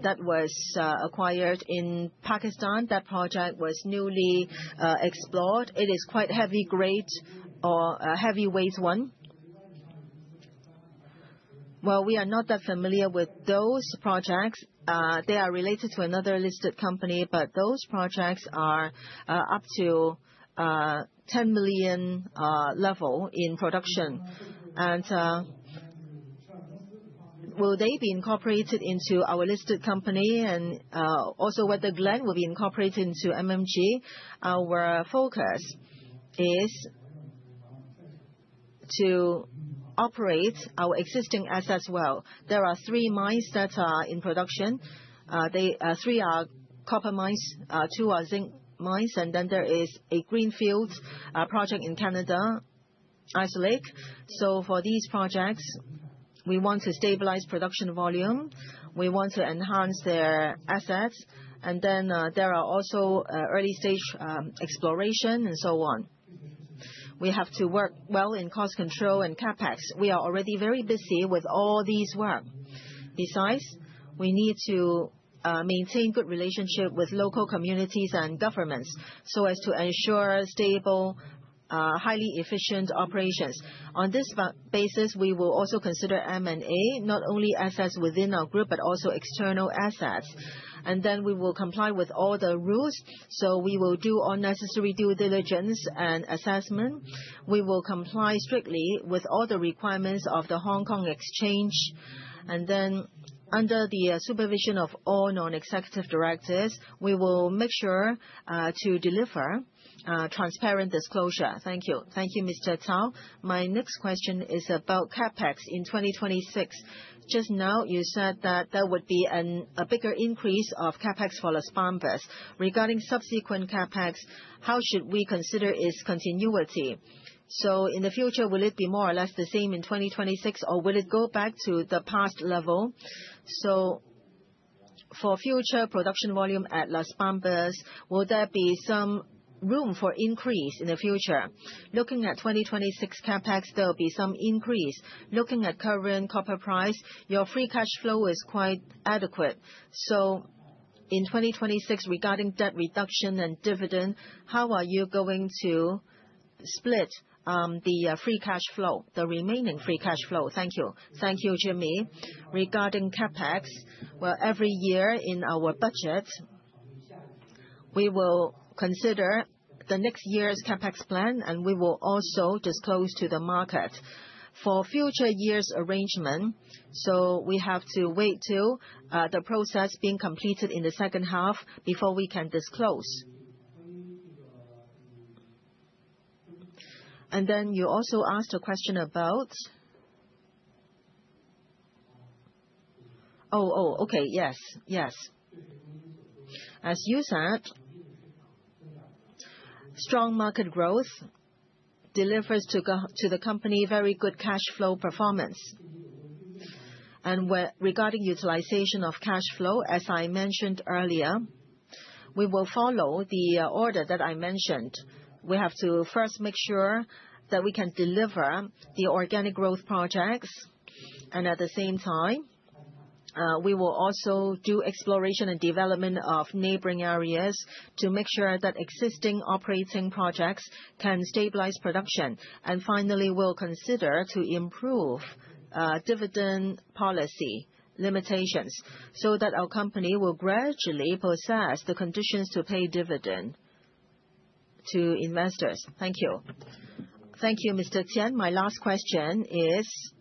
that was acquired in Pakistan. That project was newly explored. It is quite heavy grade or heavy weight one. Well, we are not that familiar with those projects. They are related to another listed company, but those projects are up to 10 million level in production. Will they be incorporated into our listed company and also whether Glencore will be incorporated into MMG? Our focus is to operate our existing assets well. There are three mines that are in production. They three are copper mines, two are zinc mines, and then there is a greenfield project in Canada, Izok Lake. For these projects, we want to stabilize production volume, we want to enhance their assets. There are also early stage exploration and so on. We have to work well in cost control and CapEx. We are already very busy with all these work. Besides, we need to maintain good relationship with local communities and governments so as to ensure stable, highly efficient operations. On this basis, we will also consider M&A, not only assets within our group, but also external assets. We will comply with all the rules, so we will do all necessary due diligence and assessment. We will comply strictly with all the requirements of the Hong Kong Exchange. Under the supervision of all non-executive directors, we will make sure to deliver transparent disclosure. Thank you. Thank you, Mr. Zhao. My next question is about CapEx in 2026. Just now, you said that there would be a bigger increase of CapEx for Las Bambas. Regarding subsequent CapEx, how should we consider its continuity? In the future, will it be more or less the same in 2026, or will it go back to the past level? For future production volume at Las Bambas, will there be some room for increase in the future? Looking at 2026 CapEx, there'll be some increase. Looking at current copper price, your free cash flow is quite adequate. In 2026, regarding debt reduction and dividend, how are you going to split the free cash flow, the remaining free cash flow? Thank you. Thank you, Jimmy. Regarding CapEx, well, every year in our budget, we will consider the next year's CapEx plan, and we will also disclose to the market. For future years' arrangement, we have to wait till the process being completed in the second half before we can disclose. You also asked a question about--oh, okay, yes. As you said, strong market growth delivers to the company very good cash flow performance. Regarding utilization of cash flow, as I mentioned earlier, we will follow the order that I mentioned. We have to first make sure that we can deliver the organic growth projects. At the same time, we will also do exploration and development of neighboring areas to make sure that existing operating projects can stabilize production. Finally, we'll consider to improve dividend policy limitations so that our company will gradually possess the conditions to pay dividend to investors. Thank you. Thank you, Mr. Qian. My last question is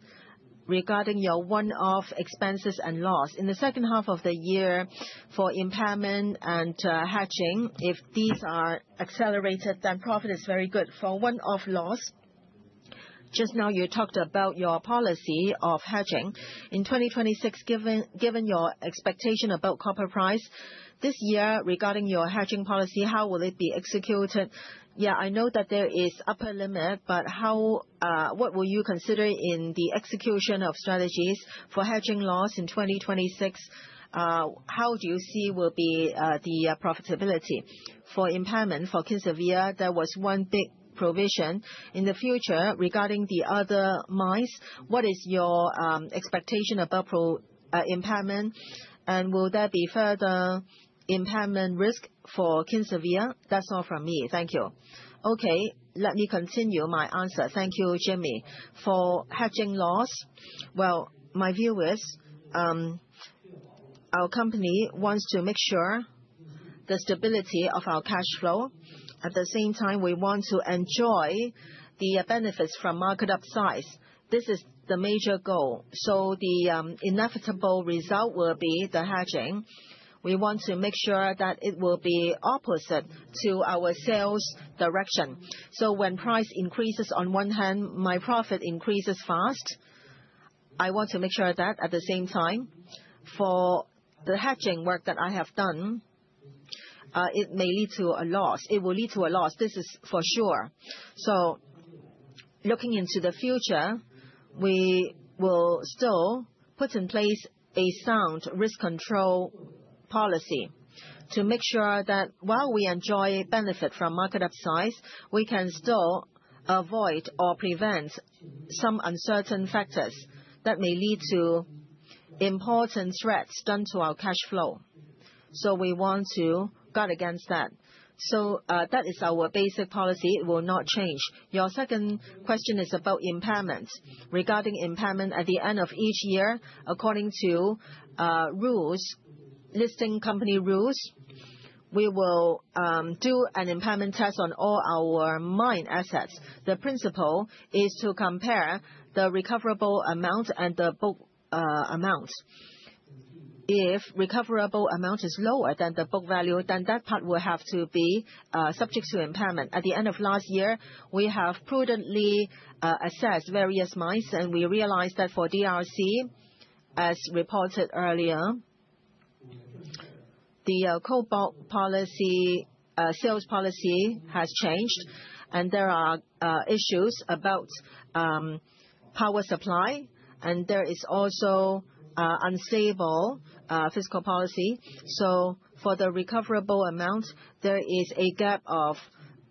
regarding your one-off expenses and loss. In the second half of the year for impairment and hedging, if these are accelerated, then profit is very good. For one-off loss, just now you talked about your policy of hedging. In 2026, given your expectation about copper price, this year regarding your hedging policy, how will it be executed? Yeah, I know that there is upper limit, but how, what will you consider in the execution of strategies for hedging loss in 2026? How do you see will be the profitability? For impairment for Kinshasa, there was one big provision. In the future, regarding the other mines, what is your expectation about impairment, and will there be further impairment risk for Kinshasa? That's all from me. Thank you. Let me continue my answer. Thank you, Jimmy. For hedging loss, well, my view is, our company wants to make sure the stability of our cash flow. At the same time, we want to enjoy the benefits from market upsize. This is the major goal. The inevitable result will be the hedging. We want to make sure that it will be opposite to our sales direction. When price increases on one hand, my profit increases fast. I want to make sure that at the same time for the hedging work that I have done, it may lead to a loss. It will lead to a loss, this is for sure. Looking into the future, we will still put in place a sound risk control policy to make sure that while we enjoy benefit from market upside, we can still avoid or prevent some uncertain factors that may lead to important threats done to our cash flow. We want to guard against that. That is our basic policy. It will not change. Your second question is about impairment. Regarding impairment, at the end of each year, according to rules, listing company rules, we will do an impairment test on all our mine assets. The principle is to compare the recoverable amount and the book amount. If recoverable amount is lower than the book value, then that part will have to be subject to impairment. At the end of last year, we have prudently assessed various mines, and we realized that for DRC, as reported earlier, the cobalt policy sales policy has changed, and there are issues about power supply, and there is also unstable fiscal policy. For the recoverable amount, there is a gap of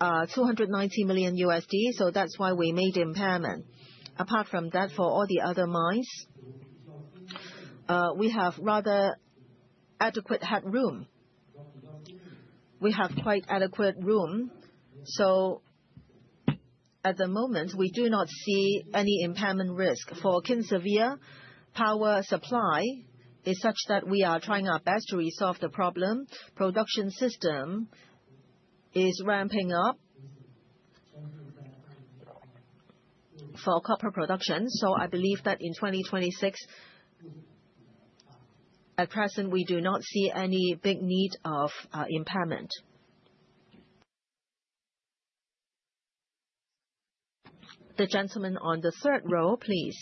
$290 million, so that's why we made impairment. Apart from that, for all the other mines. We have rather adequate head room. We have quite adequate room. At the moment, we do not see any impairment risk. For Kinshasa, power supply is such that we are trying our best to resolve the problem. Production system is ramping up for copper production. I believe that in 2026. At present, we do not see any big need of impairment. The gentleman on the third row, please.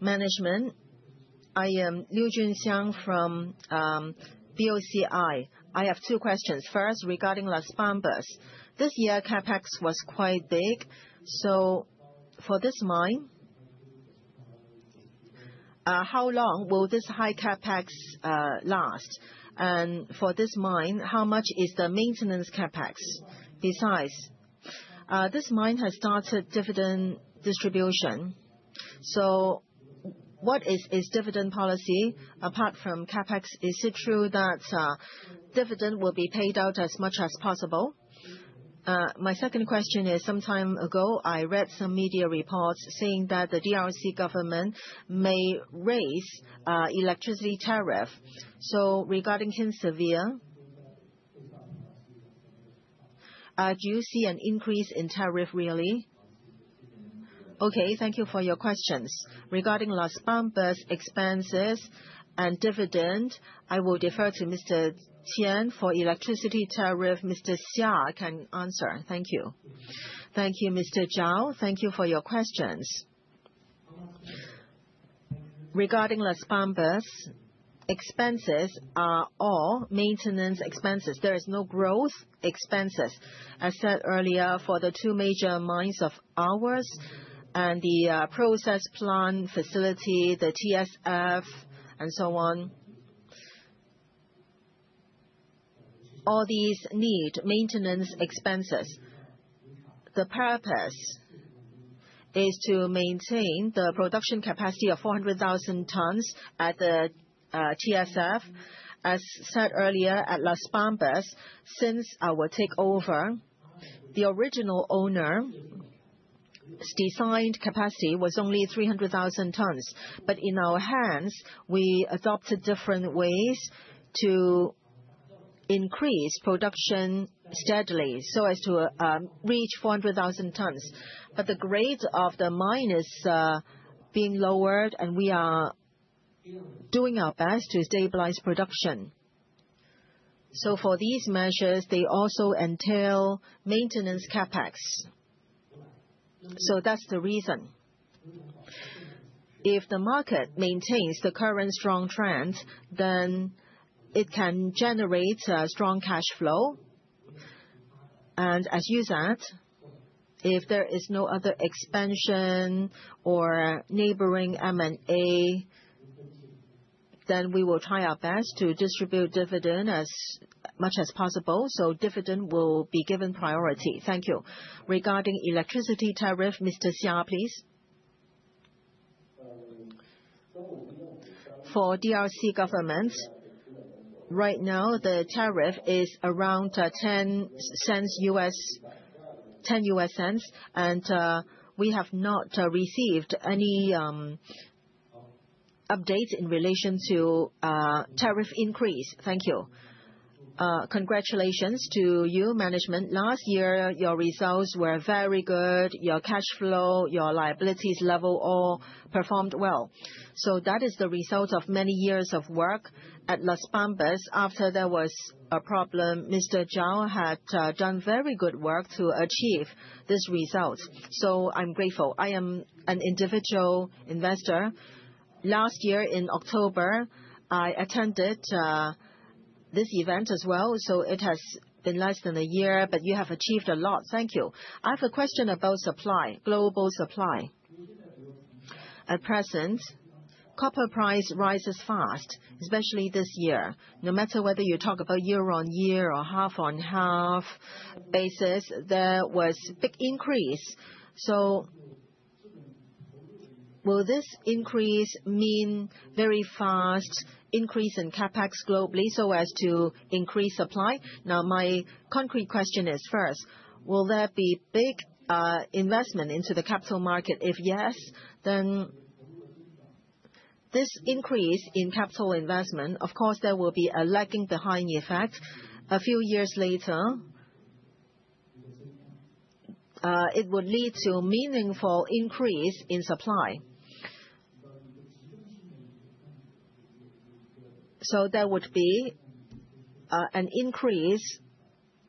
Management, I am Liu Zhengxiang from BOCI. I have two questions. First, regarding Las Bambas. This year, CapEx was quite big. For this mine, how long will this high CapEx last? For this mine, how much is the maintenance CapEx? Besides, this mine has started dividend distribution. What is its dividend policy apart from CapEx? Is it true that dividend will be paid out as much as possible? My second question is, some time ago, I read some media reports saying that the DRC government may raise electricity tariff. Regarding Kinshasa, do you see an increase in tariff really? Okay, thank you for your questions. Regarding Las Bambas expenses and dividend, I will defer to Mr. Qian. For electricity tariff, Mr. Xia can answer. Thank you. Thank you, Mr. Zhao. Thank you for your questions. Regarding Las Bambas, expenses are all maintenance expenses. There is no growth expenses. I said earlier for the two major mines of ours and the process plant facility, the TSF and so on, all these need maintenance expenses. The purpose is to maintain the production capacity of 400,000 tons at the TSF. As said earlier, at Las Bambas, since our takeover, the original owner's designed capacity was only 300,000 tons. In our hands, we adopted different ways to increase production steadily so as to reach 400,000 tons. The grades of the mine is being lowered, and we are doing our best to stabilize production. For these measures, they also entail maintenance CapEx. That's the reason. If the market maintains the current strong trend, then it can generate a strong cash flow. As you said, if there is no other expansion or neighboring M&A, we will try our best to distribute dividend as much as possible. Dividend will be given priority. Thank you. Regarding electricity tariff, Mr. Xia, please. For DRC government, right now, the tariff is around $0.10, and we have not received any update in relation to tariff increase. Thank you. Congratulations to you, management. Last year, your results were very good. Your cash flow, your liabilities level all performed well. That is the result of many years of work at Las Bambas. After there was a problem, Mr. Zhao had done very good work to achieve this result. I'm grateful. I am an individual investor. Last year in October, I attended this event as well, so it has been less than a year, but you have achieved a lot. Thank you. I have a question about supply, global supply. At present, copper price rises fast, especially this year. No matter whether you talk about year-on-year or half-on-half basis, there was big increase. Will this increase mean very fast increase in CapEx globally so as to increase supply? My concrete question is, first, will there be big investment into the capital market? If yes, then this increase in capital investment, of course, there will be a lagging behind effect. A few years later, it would lead to a meaningful increase in supply. There would be an increase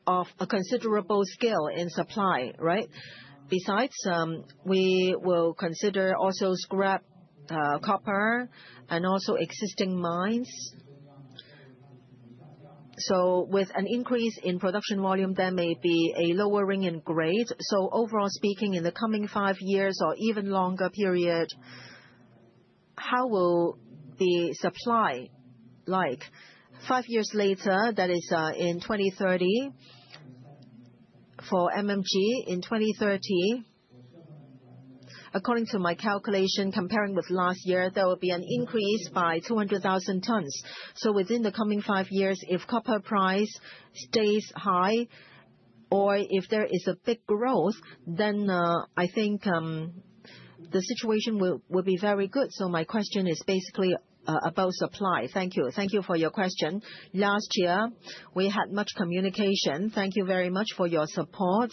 of a considerable scale in supply, right? We will consider also scrap copper and also existing mines. With an increase in production volume, there may be a lowering in grade. Overall speaking, in the coming five years or even longer period, how will the supply like? Five years later, that is, in 2030-For MMG in 2013, according to my calculation, comparing with last year, there will be an increase by 200,000 tons. Within the coming five years, if copper price stays high or if there is a big growth, then I think the situation will be very good. My question is basically about supply. Thank you. Thank you for your question. Last year, we had much communication. Thank you very much for your support.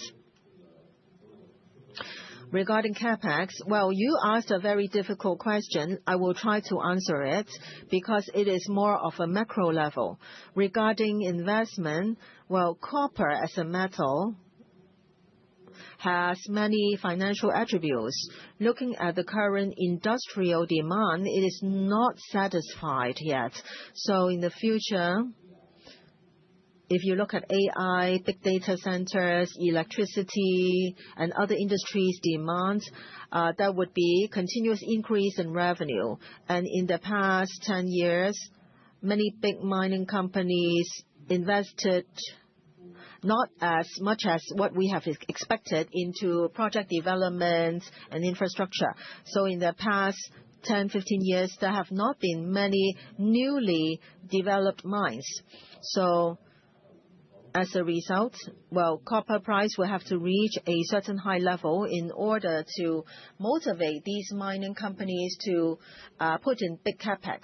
Regarding CapEx, well, you asked a very difficult question. I will try to answer it because it is more of a macro level. Regarding investment, well, copper as a metal has many financial attributes. Looking at the current industrial demand, it is not satisfied yet. In the future, if you look at AI, big data centers, electricity and other industries demands, there would be continuous increase in revenue. In the past 10 years, many big mining companies invested not as much as what we have expected into project development and infrastructure. In the past 10-15 years, there have not been many newly developed mines. As a result, well, copper price will have to reach a certain high level in order to motivate these mining companies to put in big CapEx.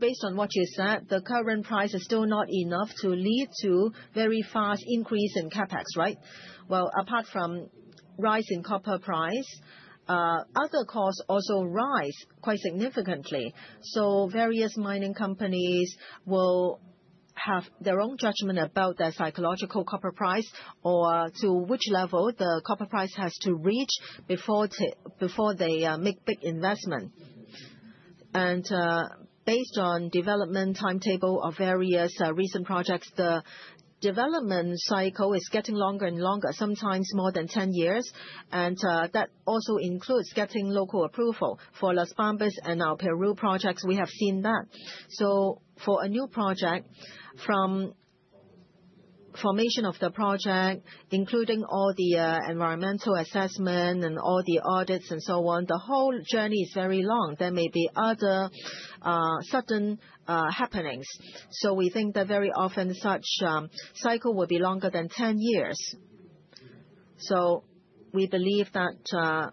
Based on what you said, the current price is still not enough to lead to very fast increase in CapEx, right? Apart from rise in copper price, other costs also rise quite significantly. Various mining companies will have their own judgment about their psychological copper price or to which level the copper price has to reach before they make big investment. Based on development timetable of various recent projects, the development cycle is getting longer and longer, sometimes more than 10 years. That also includes getting local approval. For Las Bambas and our Peru projects, we have seen that. For a new project, from formation of the project, including all the environmental assessment and all the audits and so on, the whole journey is very long. There may be other certain happenings. We think that very often such cycle will be longer than 10 years. We believe that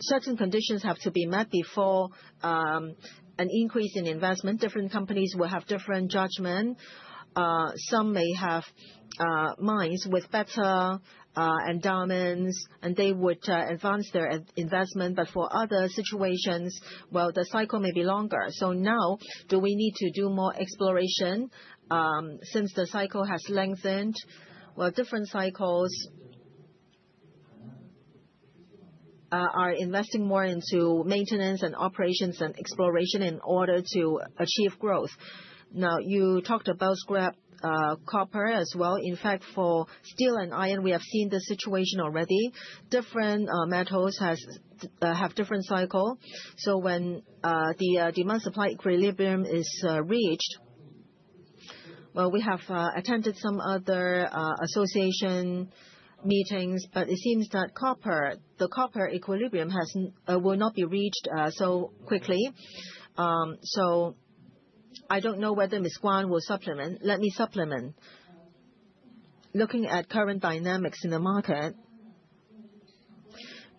certain conditions have to be met before an increase in investment. Different companies will have different judgment. Some may have mines with better endowments and they would advance their in-investment. For other situations, well, the cycle may be longer. Now, do we need to do more exploration since the cycle has lengthened? Well, different cycles are investing more into maintenance and operations and exploration in order to achieve growth. Now, you talked about scrap copper as well. In fact, for steel and iron, we have seen this situation already. Different metals have different cycle. When the demand supply equilibrium is reached, well, we have attended some other association meetings, but it seems that copper, the copper equilibrium will not be reached so quickly. I don't know whether Ms. Guan will supplement. Let me supplement. Looking at current dynamics in the market,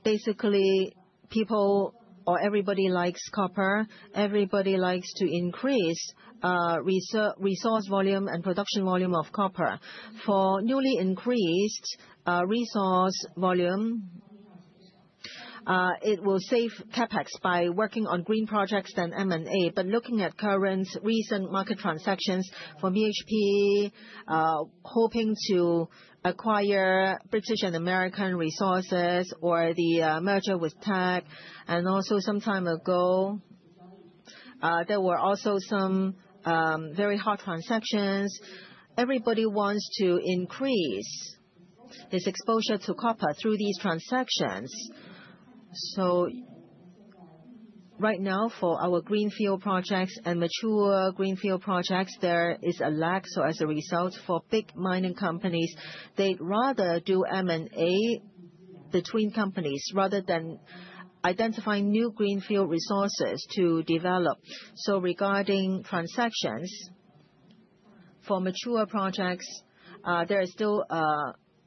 basically people or everybody likes copper. Everybody likes to increase resource volume and production volume of copper. For newly increased resource volume, it will save CapEx by working on green projects than M&A. Looking at current recent market transactions from BHP, hoping to acquire British and American resources or the merger with Teck. Also some time ago, there were also some very hot transactions. Everybody wants to increase this exposure to copper through these transactions. Right now for our greenfield projects and mature greenfield projects, there is a lag. As a result for big mining companies, they'd rather do M&A between companies rather than identifying new greenfield resources to develop. Regarding transactions for mature projects, there is still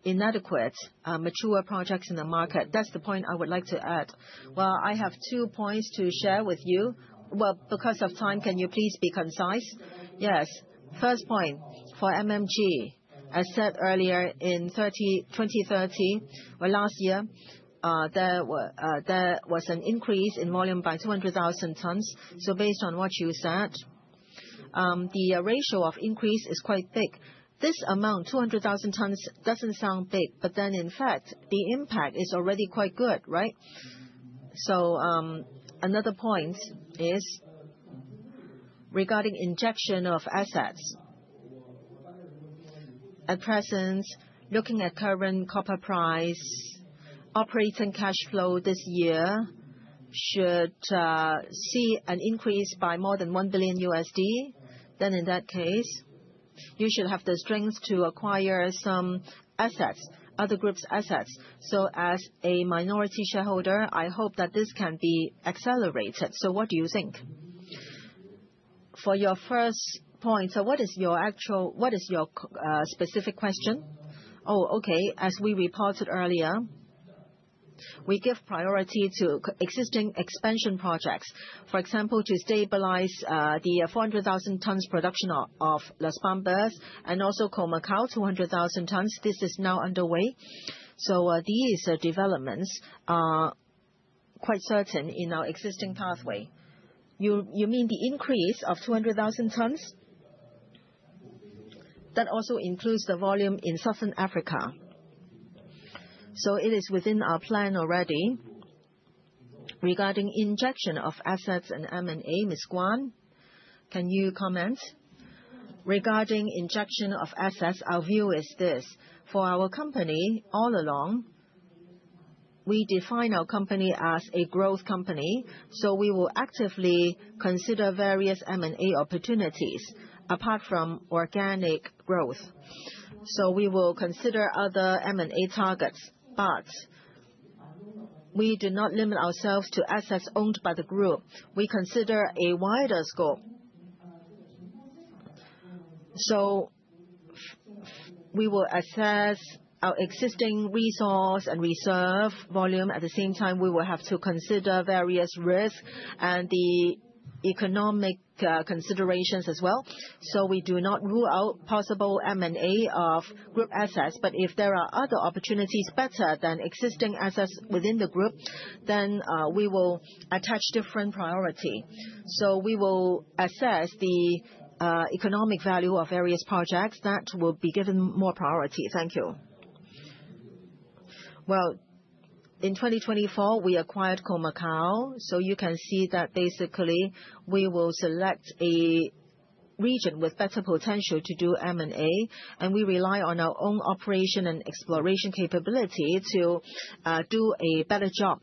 inadequate mature projects in the market. That's the point I would like to add. Well, I have two points to share with you. Well, because of time, can you please be concise? Yes. First point, for MMG, I said earlier in 30, 2030, well last year, there was an increase in volume by 200,000 tons. Based on what you said, the ratio of increase is quite big. This amount, 200,000 tons, doesn't sound big, but then in fact, the impact is already quite good, right? Another point is regarding injection of assets. At present, looking at current copper price, operating cash flow this year should see an increase by more than $1 billion. In that case, you should have the strength to acquire some assets, other group's assets. As a minority shareholder, I hope that this can be accelerated. What do you think? For your first point, what is your actual-- What is your specific question? As we reported earlier, we give priority to existing expansion projects. For example, to stabilize the 400,000 tons production of Las Bambas and also Khoemacau, 200,000 tons. This is now underway. These developments are quite certain in our existing pathway. You mean the increase of 200,000 tons? That also includes the volume in Southern Africa. It is within our plan already. Regarding injection of assets and M&A, Ms. Guan, can you comment? Regarding injection of assets, our view is this. For our company, all along, we define our company as a growth company, we will actively consider various M&A opportunities apart from organic growth. We will consider other M&A targets, but we do not limit ourselves to assets owned by the group. We consider a wider scope. We will assess our existing resource and reserve volume. At the same time, we will have to consider various risk and the economic considerations as well. We do not rule out possible M&A of group assets, but if there are other opportunities better than existing assets within the group, then we will attach different priority. We will assess the economic value of various projects that will be given more priority. Thank you. Well, in 2024, we acquired Khoemacau, so you can see that basically we will select a region with better potential to do M&A, and we rely on our own operation and exploration capability to do a better job.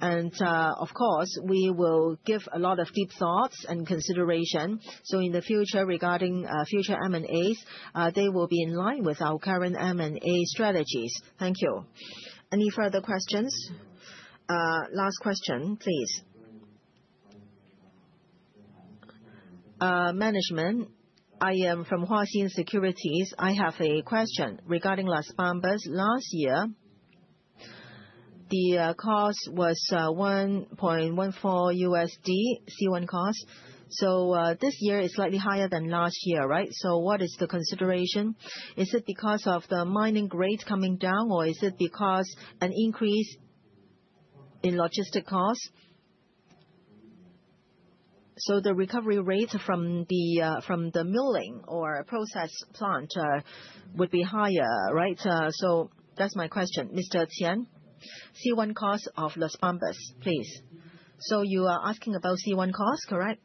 Of course, we will give a lot of deep thoughts and consideration. In the future, regarding future M&As, they will be in line with our current M&A strategies. Thank you. Any further questions? Last question, please. Management, I am from Huaxin Securities. I have a question regarding Las Bambas. Last year, the cost was $1.14 C1 cost. This year is slightly higher than last year, right? What is the consideration? Is it because of the mining rates coming down, or is it because an increase in logistic cost? The recovery rate from the milling or process plant would be higher, right? That's my question. Mr. Qian, C1 cost of Las Bambas, please. You are asking about C1 cost, correct?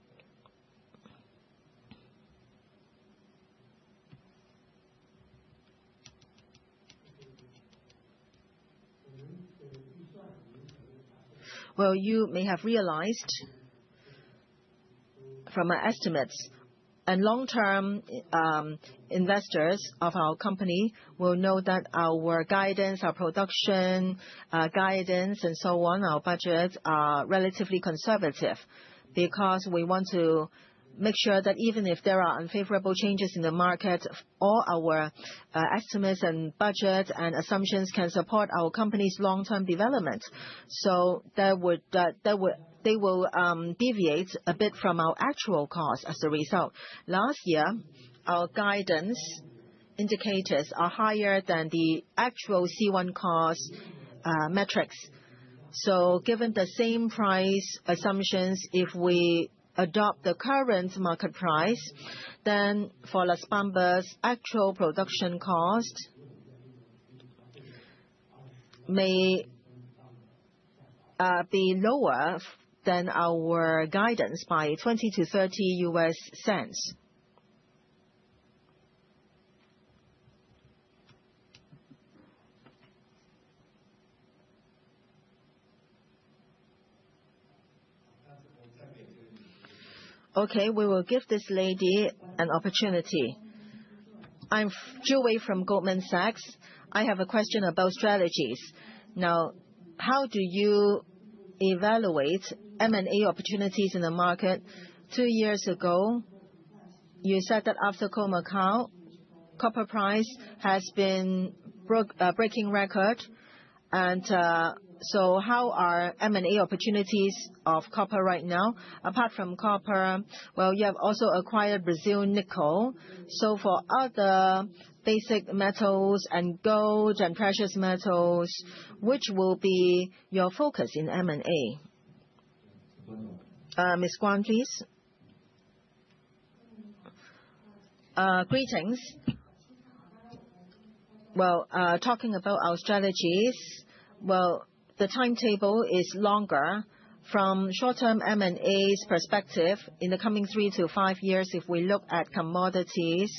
Well, you may have realized from our estimates, and long-term investors of our company will know that our guidance, our production guidance and so on, our budgets are relatively conservative because we want to make sure that even if there are unfavorable changes in the market, all our estimates and budget and assumptions can support our company's long-term development. They will deviate a bit from our actual cost as a result. Last year, our guidance indicators are higher than the actual C1 cost metrics. Given the same price assumptions, if we adopt the current market price, then for Las Bambas, actual production cost may be lower than our guidance by $0.20-$0.30. Okay, we will give this lady an opportunity. I'm Zhu Wei from Goldman Sachs. How do you evaluate M&A opportunities in the market? Two years ago, you said that after Khoemacau, copper price has been broke, breaking record. So how are M&A opportunities of copper right now? Apart from copper, well, you have also acquired Brazil Nickel. For other basic metals and gold and precious metals, which will be your focus in M&A? Ms. Guan, please. Greetings. Well, talking about our strategies, well, the timetable is longer. From short-term M&A's perspective, in the coming three to five years, if we look at commodities.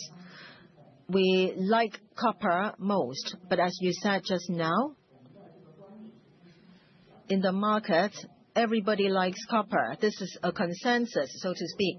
We like copper most, but as you said just now, in the market, everybody likes copper. This is a consensus, so to speak.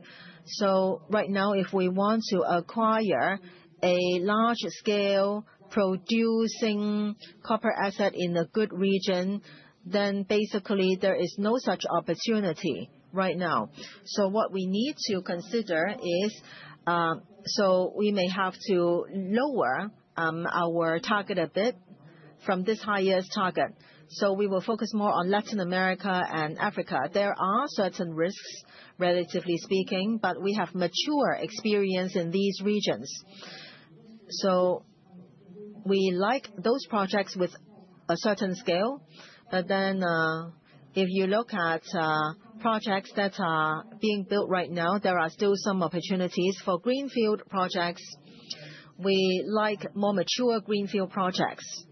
Right now, if we want to acquire a large-scale producing copper asset in a good region, then basically there is no such opportunity right now. What we need to consider is, we may have to lower our target a bit from this higher target. We will focus more on Latin America and Africa. There are certain risks, relatively speaking, but we have mature experience in these regions. We like those projects with a certain scale. If you look at projects that are being built right now, there are still some opportunities. For greenfield projects, we like more mature greenfield projects.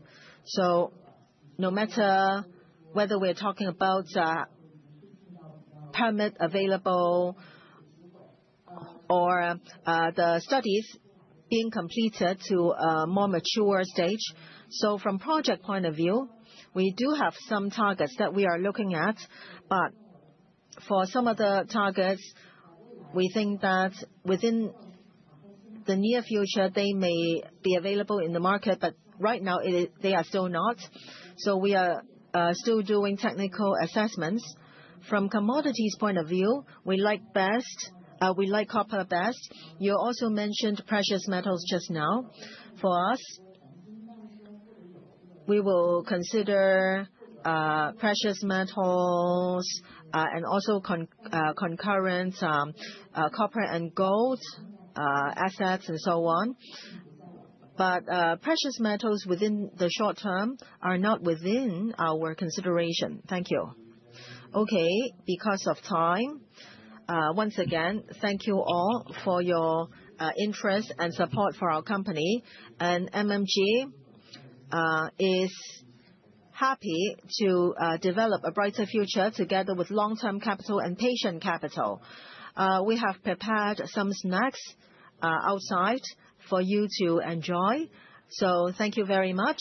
No matter whether we're talking about permit available or the studies being completed to a more mature stage. From project point of view, we do have some targets that we are looking at, but for some of the targets, we think that within the near future, they may be available in the market, but right now it is--they are still not. We are still doing technical assessments. From commodities point of view, we like best, we like copper best. You also mentioned precious metals just now. For us, we will consider precious metals and also concurrent copper and gold assets and so on. Precious metals within the short term are not within our consideration. Thank you. Okay, because of time, once again, thank you all for your interest and support for our company. MMG is happy to develop a brighter future together with long-term capital and patient capital. We have prepared some snacks outside for you to enjoy. Thank you very much